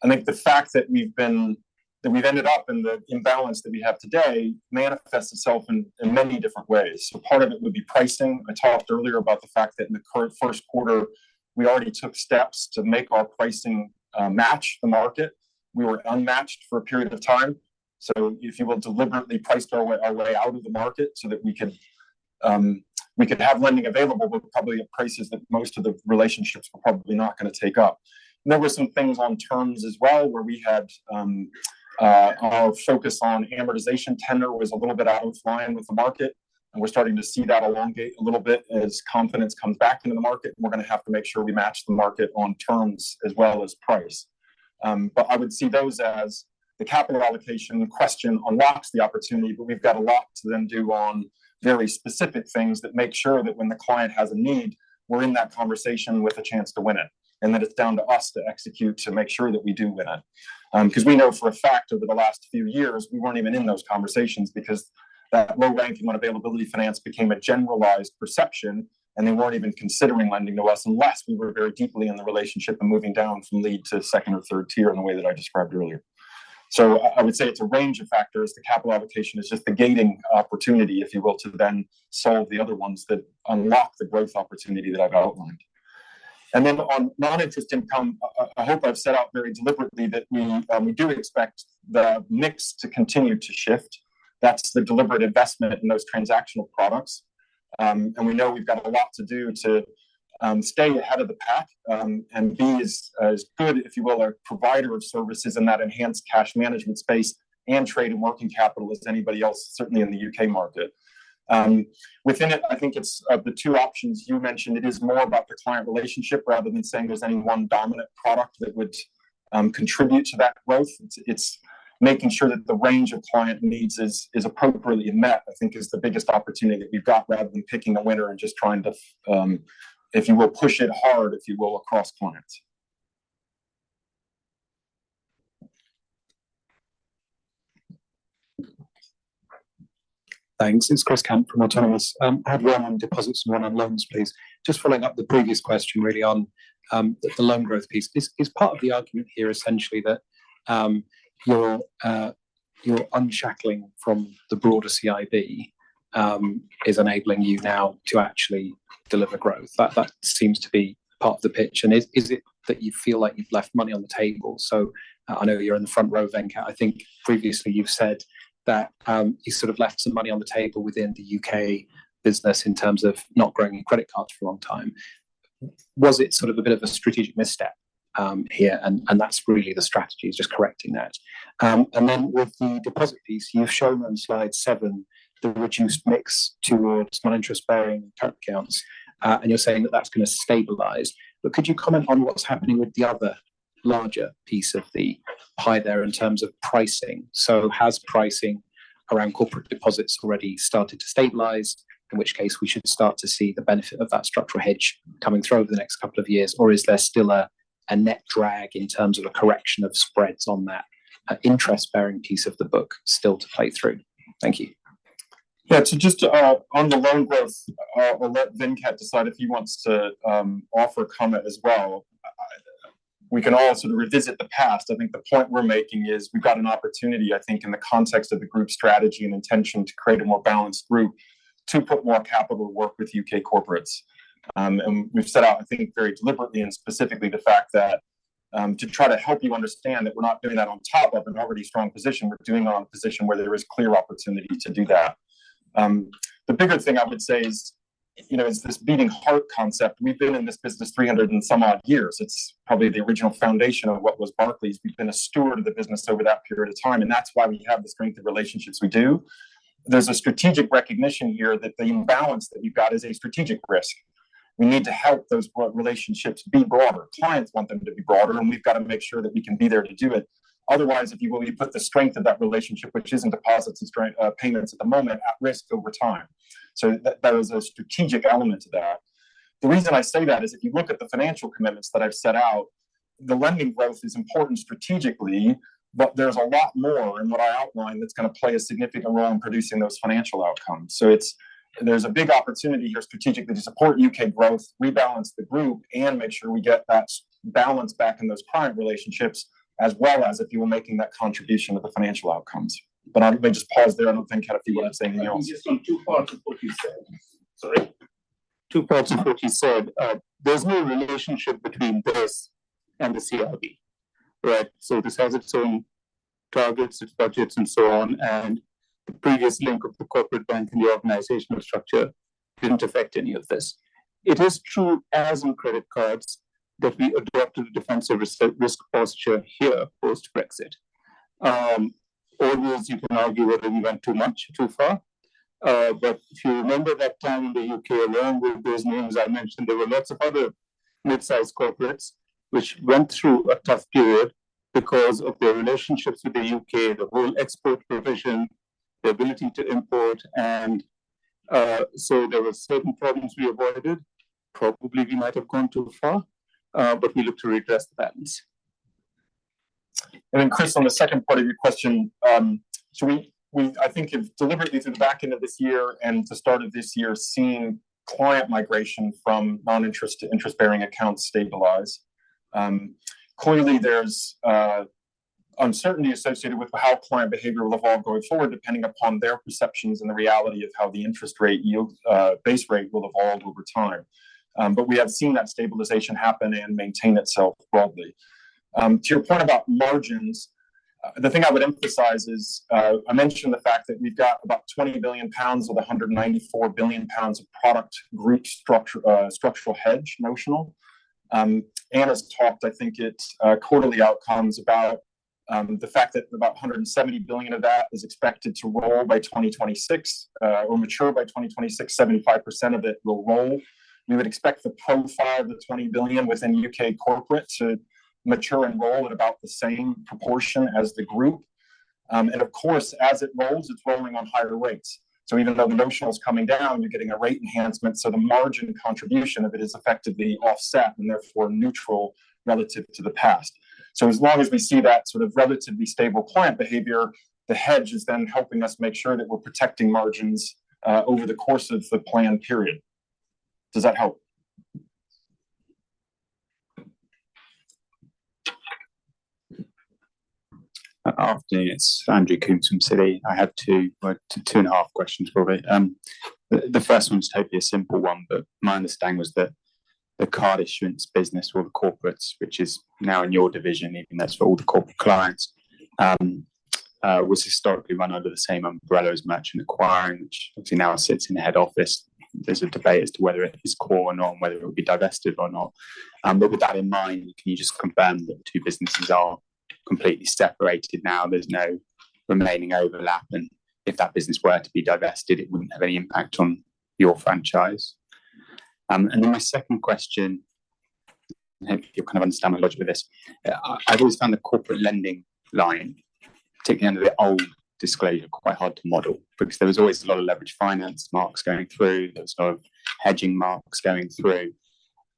I think the fact that we've ended up in the imbalance that we have today manifests itself in many different ways. So part of it would be pricing. I talked earlier about the fact that in the current first quarter, we already took steps to make our pricing match the market. We were unmatched for a period of time. So if you will, deliberately priced our way out of the market so that we could have lending available, but probably at prices that most of the relationships were probably not going to take up. There were some things on terms as well where we had our focus on amortization tenor was a little bit out of line with the market, and we're starting to see that elongate a little bit as confidence comes back into the market, and we're going to have to make sure we match the market on terms as well as price. But I would see those as the capital allocation question unlocks the opportunity, but we've got a lot to then do on very specific things that make sure that when the client has a need, we're in that conversation with a chance to win it, and that it's down to us to execute to make sure that we do win it. Because we know for a fact over the last few years, we weren't even in those conversations because that low ranking on availability of finance became a generalized perception, and they weren't even considering lending to us unless we were very deeply in the relationship and moving down from lead to second or third tier in the way that I described earlier. So I would say it's a range of factors. The capital allocation is just the gating opportunity, if you will, to then solve the other ones that unlock the growth opportunity that I've outlined. And then on non-interest income, I hope I've set out very deliberately that we do expect the mix to continue to shift. That's the deliberate investment in those transactional products. And we know we've got a lot to do to stay ahead of the pack and be as good, if you will, a provider of services in that enhanced cash management space and trade and working capital as anybody else, certainly in the U.K. market. Within it, I think it's the two options you mentioned. It is more about the client relationship rather than saying there's any one dominant product that would contribute to that growth. It's making sure that the range of client needs is appropriately met, I think, is the biggest opportunity that we've got rather than picking a winner and just trying to, if you will, push it hard, if you will, across clients. Thanks. It's Chris Kemp from Autonomous. I had one on deposits and one on loans, please. Just following up the previous question, really, on the loan growth piece. Is part of the argument here essentially that your unshackling from the broader CIB is enabling you now to actually deliver growth? That sees to be part of the pitch. And is it that you feel like you've left money on the table? So I know you're in the front row, Venkat. I think previously you've said that you sort of left some money on the table within the U.K. business in terms of not growing your credit cards for a long time. Was it sort of a bit of a strategic misstep here? And that's really the strategy is just correcting that. And then with the deposit piece, you've shown on slide seven the reduced mix towards non-interest-bearing current accounts, and you're saying that that's going to stabilize. But could you comment on what's happening with the other larger piece of the pie there in terms of pricing? So has pricing around corporate deposits already started to stabilize, in which case we should start to see the benefit of that structural hedge coming through over the next couple of years, or is there still a net drag in terms of a correction of spreads on that interest-bearing piece of the book still to play through? Thank you. Yeah. So just on the loan growth, I'll let Venkat decide if he wants to offer a comment as well. We can all sort of revisit the past. I think the point we're making is we've got an opportunity, I think, in the context of the group strategy and intention to create a more balanced group to put more capital to work with U.K. corporates. We've set out, I think, very deliberately and specifically the fact that to try to help you understand that we're not doing that on top of an already strong position, we're doing it on a position where there is clear opportunity to do that. The bigger thing I would say is this beating heart concept. We've been in this business 300 and some odd years. It's probably the original foundation of what was Barclays. We've been a steward of the business over that period of time, and that's why we have the strength of relationships we do. There's a strategic recognition here that the imbalance that we've got is a strategic risk. We need to help those relationships be broader. Clients want them to be broader, and we've got to make sure that we can be there to do it. Otherwise, if you will, you put the strength of that relationship, which isn't deposits and payments at the moment, at risk over time. So there is a strategic element to that. The reason I say that is if you look at the financial commitments that I've set out, the lending growth is important strategically, but there's a lot more in what I outline that's going to play a significant role in producing those financial outcomes. So there's a big opportunity here strategically to support U.K. growth, rebalance the group, and make sure we get that balance back in those client relationships as well as, if you will, making that contribution to the financial outcomes. But I may just pause there and let Venkat have a few words saying anything else. I'm just going too far to what you said. Sorry. Too far to what you said. There's no relationship between this and the CIB, right? So this has its own targets, its budgets, and so on. The previous link of the corporate bank and the organizational structure didn't affect any of this. It is true, as in credit cards, that we adopted a defensive risk posture here post-Brexit. always, you can argue whether we went too much or too far. But if you remember that time in the U.K., along with those names I mentioned, there were lots of other mid-sized corporates which went through a tough period because of their relationships with the U.K., the whole export provision, the ability to import. So there were certain problems we avoided. Probably we might have gone too far, but we look to redress the balance. Then, Chris, on the second part of your question, so I think we've deliberately through the back end of this year and to start of this year seen client migration from non-interest to interest-bearing accounts stabilize. Clearly, there's uncertainty associated with how client behavior will evolve going forward depending upon their perceptions and the reality of how the interest rate yield base rate will evolve over time. But we have seen that stabilization happen and maintain itself broadly. To your point about margins, the thing I would emphasize is I mentioned the fact that we've got about 20 billion pounds of the 194 billion pounds of product group Structural Hedge notional. Anna's talked, I think, at quarterly outcomes about the fact that about 170 billion of that is expected to roll by 2026 or mature by 2026. 75% of it will roll. We would expect the profile of the 20 billion within U.K. corporate to mature and roll at about the same proportion as the group. And of course, as it rolls, it's rolling on higher rates. So even though the notional is coming down, you're getting a rate enhancement. So the margin contribution of it is effectively offset and therefore neutral relative to the past. So as long as we see that sort of relatively stable client behavior, the hedge is then helping us make sure that we're protecting margins over the course of the planned period. Does that help? After you, it's Andrew Coombs from Citi. I had two and a half questions, probably. The first one was hopefully a simple one, but my understanding was that the card issuance business for the corporates, which is now in your division, even though it's for all the corporate clients, was historically run under the same umbrella as merchant acquiring, which obviously now sits in the head office. There's a debate as to whether it is core or not and whether it will be divested or not. But with that in mind, can you just confirm that the two businesses are completely separated now? There's no remaining overlap. And if that business were to be divested, it wouldn't have any impact on your franchise. And then my second question, and hopefully you'll kind of understand my logic with this. I've always found the corporate lending line, particularly under the old disclosure, quite hard to model because there was always a lot of leverage finance marks going through. There was a lot of hedging marks going through.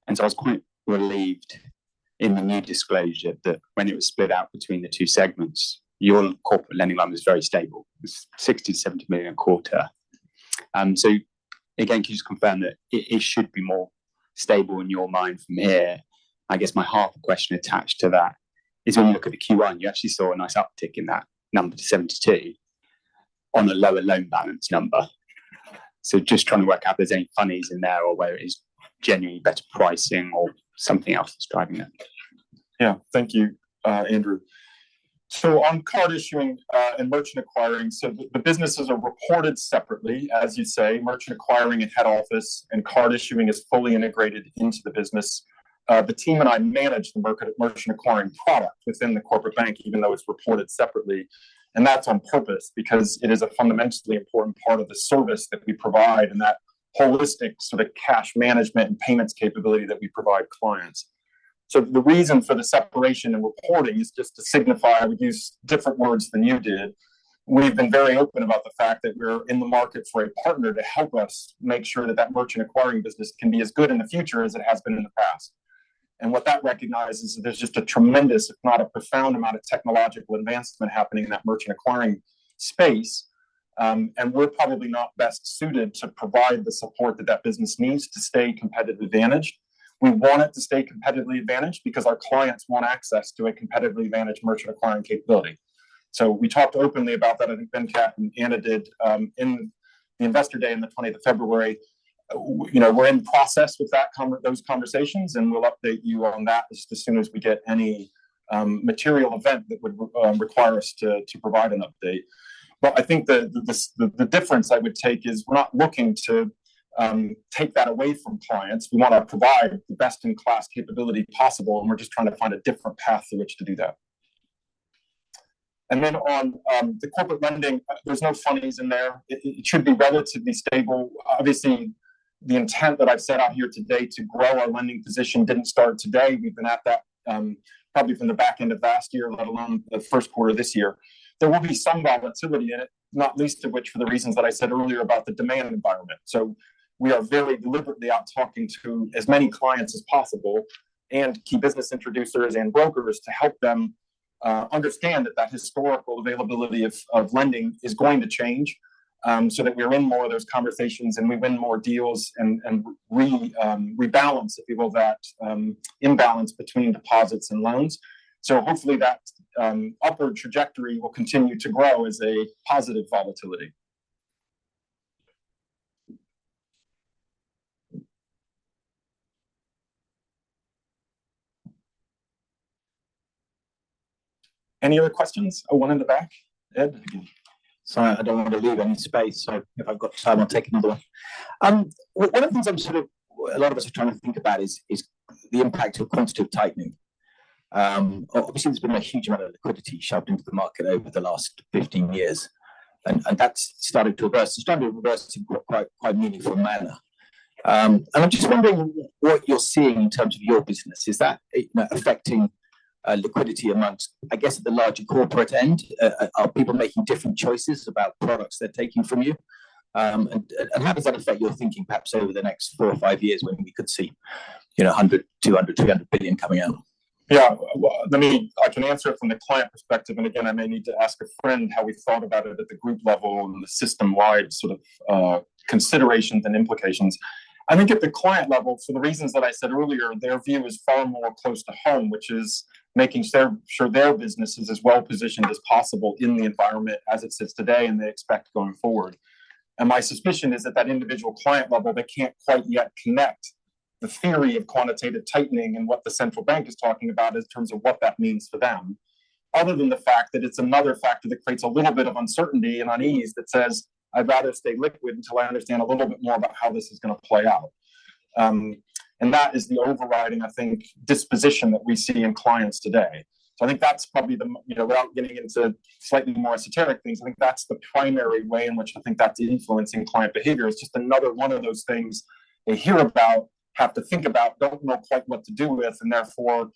And so I was quite relieved in the new disclosure that when it was split out between the two segments, your corporate lending line was very stable, 60 million-70 million a quarter. So again, can you just confirm that it should be more stable in your mind from here? I guess my half a question attached to that is when you look at the Q1, you actually saw a nice uptick in that number to 72 million on a lower loan balance number. So just trying to work out if there's any funnies in there or whether it is genuinely better pricing or something else that's driving that. Yeah. Thank you, Andrew. So on card issuing and merchant acquiring, so the businesses are reported separately, as you say. Merchant acquiring and head office and card issuing is fully integrated into the business. The team and I manage the merchant acquiring product within the corporate bank, even though it's reported separately. And that's on purpose because it is a fundamentally important part of the service that we provide and that holistic sort of cash management and payments capability that we provide clients. So the reason for the separation in reporting is just to signify we use different words than you did. We've been very open about the fact that we're in the market for a partner to help us make sure that that merchant acquiring business can be as good in the future as it has been in the past. What that recognizes is that there's just a tremendous, if not a profound amount of technological advancement happening in that merchant acquiring space. We're probably not best suited to provide the support that that business needs to stay competitively advantaged. We want it to stay competitively advantaged because our clients want access to a competitively advantaged merchant acquiring capability. So we talked openly about that, I think Venkat and Anna did in the investor day on the 20th of February. We're in process with those conversations, and we'll update you on that just as soon as we get any material event that would require us to provide an update. I think the difference I would take is we're not looking to take that away from clients. We want to provide the best-in-class capability possible, and we're just trying to find a different path through which to do that. Then on the corporate lending, there's no funnies in there. It should be relatively stable. Obviously, the intent that I've set out here today to grow our lending position didn't start today. We've been at that probably from the back end of last year, let alone the first quarter of this year. There will be some volatility in it, not least of which for the reasons that I said earlier about the demand environment. So we are very deliberately out talking to as many clients as possible and key business introducers and brokers to help them understand that that historical availability of lending is going to change so that we're in more of those conversations and we win more deals and rebalance, if you will, that imbalance between deposits and loans. So hopefully that upward trajectory will continue to grow as a positive volatility. Any other questions? Oh, one in the back. Ed? Sorry, I don't want to leave any space, so if I've got time, I'll take another one. One of the things I'm sort of a lot of us are trying to think about is the impact of quantitative tightening. Obviously, there's been a huge amount of liquidity shoved into the market over the last 15 years, and that's started to reverse in quite a meaningful manner. I'm just wondering what you're seeing in terms of your business. Is that affecting liquidity amongst, I guess, the larger corporate end? Are people making different choices about products they're taking from you? And how does that affect your thinking, perhaps, over the next four or five years when we could see 100 billion, 200 billion, 300 billion coming out? Yeah. I mean, I can answer it from the client perspective. And again, I may need to ask a friend how we thought about it at the group level and the system-wide sort of considerations and implications. I think at the client level, for the reasons that I said earlier, their view is far more close to home, which is making sure their business is as well positioned as possible in the environment as it sits today and they expect going forward. And my suspicion is that that individual client level, they can't quite yet connect the theory of quantitative tightening and what the central bank is talking about in terms of what that means for them, other than the fact that it's another factor that creates a little bit of uncertainty and unease that says, "I'd rather stay liquid until I understand a little bit more about how this is going to play out." And that is the overriding, I think, disposition that we see in clients today. So I think that's probably the, without getting into slightly more esoteric things, primary way in which I think that's influencing client behavior. It's just another one of those things they hear about, have to think about, don't know quite what to do with, and therefore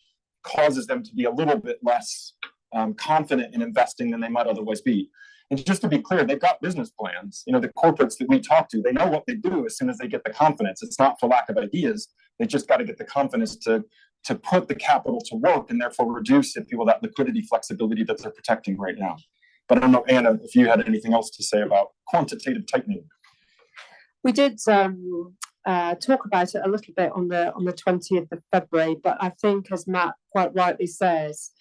causes them to be a little bit less confident in investing than they might otherwise be. And just to be clear, they've got business plans. The corporates that we talk to, they know what they do as soon as they get the confidence. It's not for lack of ideas. They've just got to get the confidence to put the capital to work and therefore reduce, if you will, that liquidity flexibility that they're protecting right now. But I don't know, Anna, if you had anything else to say about quantitative tightening. We did talk about it a little bit on the 20th of February, but I think, as Matt quite rightly says,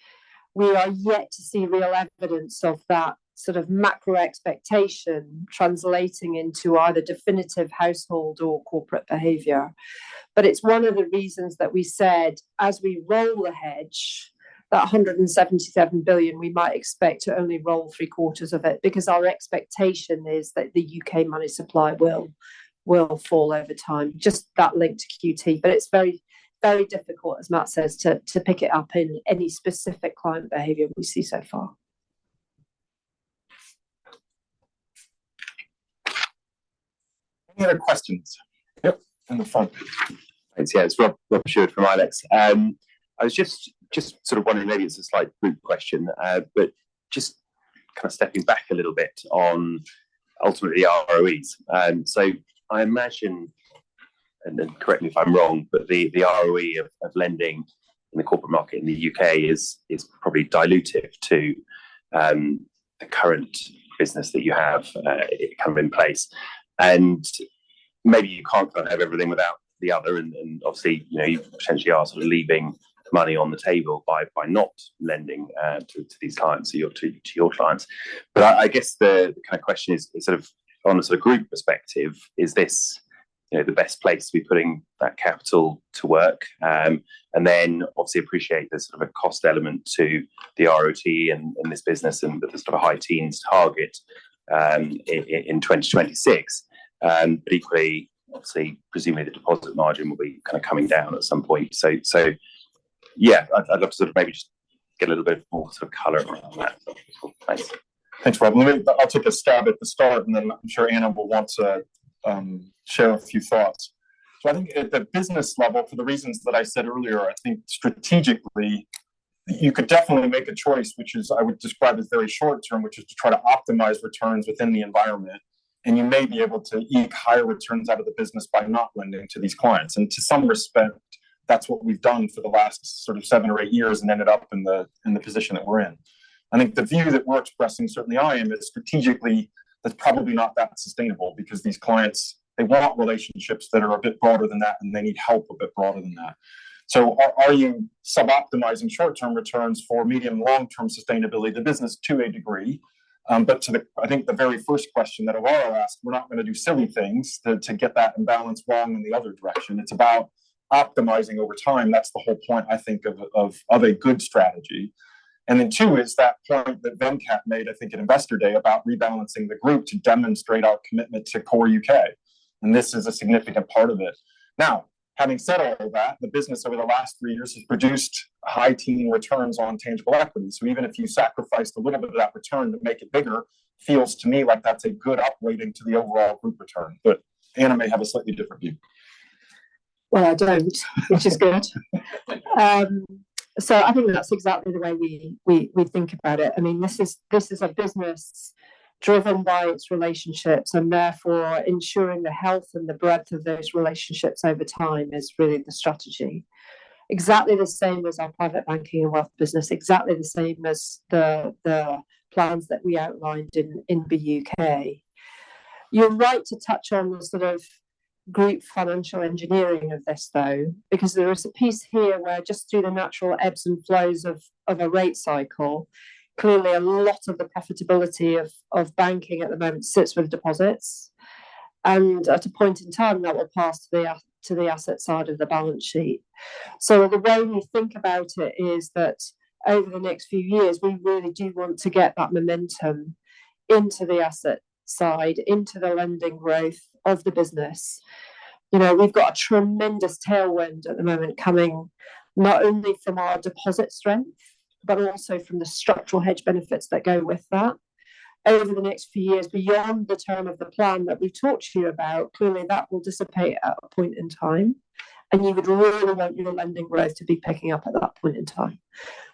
we are yet to see real evidence of that sort of macro expectation translating into either definitive household or corporate behavior. But it's one of the reasons that we said, as we roll the hedge, that 177 billion, we might expect to only roll three-quarters of it because our expectation is that the U.K. money supply will fall over time. Just that link to QT. But it's very difficult, as Matt says, to pick it up in any specific client behavior we see so far. Any other questions? Yep, in the front. Yeah, it's Rob Shield from ILEX. I was just sort of wondering, maybe it's a slight group question, but just kind of stepping back a little bit on ultimately the ROEs. So I imagine, and correct me if I'm wrong, but the ROE of lending in the corporate market in the U.K. is probably dilutive to the current business that you have kind of in place. And maybe you can't kind of have everything without the other. And obviously, you potentially are sort of leaving money on the table by not lending to these clients, to your clients. But I guess the kind of question is sort of on a sort of group perspective, is this the best place to be putting that capital to work? And then obviously appreciate there's sort of a cost element to the RoTE in this business and that there's sort of a high teens target in 2026. But equally, obviously, presumably the deposit margin will be kind of coming down at some point. So yeah, I'd love to sort of maybe just get a little bit more sort of color around that. Thanks. Thanks, Rob. I'll take a stab at the start, and then I'm sure Anna will want to share a few thoughts. So I think at the business level, for the reasons that I said earlier, I think strategically you could definitely make a choice, which I would describe as very short-term, which is to try to optimize returns within the environment. And you may be able to eke higher returns out of the business by not lending to these clients. And to some respect, that's what we've done for the last sort of seven or eight years and ended up in the position that we're in. I think the view that we're expressing, certainly I am, is strategically that's probably not that sustainable because these clients, they want relationships that are a bit broader than that, and they need help a bit broader than that. So are you suboptimizing short-term returns for medium and long-term sustainability of the business to a degree? But to, I think, the very first question that I'll ask, we're not going to do silly things to get that imbalance wrong in the other direction. It's about optimizing over time. That's the whole point, I think, of a good strategy. And then two is that point that Venkat made, I think, at investor day about rebalancing the group to demonstrate our commitment to core U.K.. And this is a significant part of it. Now, having said all of that, the business over the last three years has produced high teen returns on tangible equity. So even if you sacrificed a little bit of that return to make it bigger, it feels to me like that's a good upweighting to the overall group return. But Anna may have a slightly different view. Well, I don't, which is good. So I think that's exactly the way we think about it. I mean, this is a business driven by its relationships, and therefore ensuring the health and the breadth of those relationships over time is really the strategy. Exactly the same as our private banking and wealth business, exactly the same as the plans that we outlined in the U.K.. You're right to touch on the sort of group financial engineering of this, though, because there is a piece here where just through the natural ebbs and flows of a rate cycle, clearly a lot of the profitability of banking at the moment sits with deposits. And at a point in time, that will pass to the asset side of the balance sheet. So the way we think about it is that over the next few years, we really do want to get that momentum into the asset side, into the lending growth of the business. We've got a tremendous tailwind at the moment coming not only from our deposit strength, but also from the structural hedge benefits that go with that. Over the next few years, beyond the term of the plan that we've talked to you about, clearly that will dissipate at a point in time. And you would really want your lending growth to be picking up at that point in time.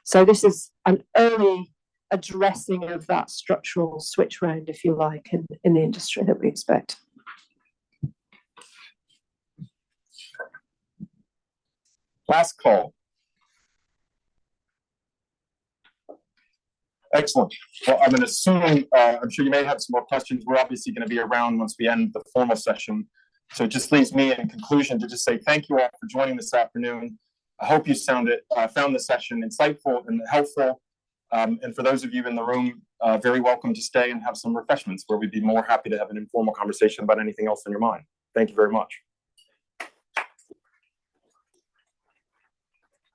So this is an early addressing of that structural switch round, if you like, in the industry that we expect. Last call. Excellent. Well, I'm going to assume I'm sure you may have some more questions. We're obviously going to be around once we end the formal session. So it just leaves me in conclusion to just say thank you all for joining this afternoon. I hope you found the session insightful and helpful. And for those of you in the room, very welcome to stay and have some refreshments, where we'd be more happy to have an informal conversation about anything else on your mind. Thank you very much.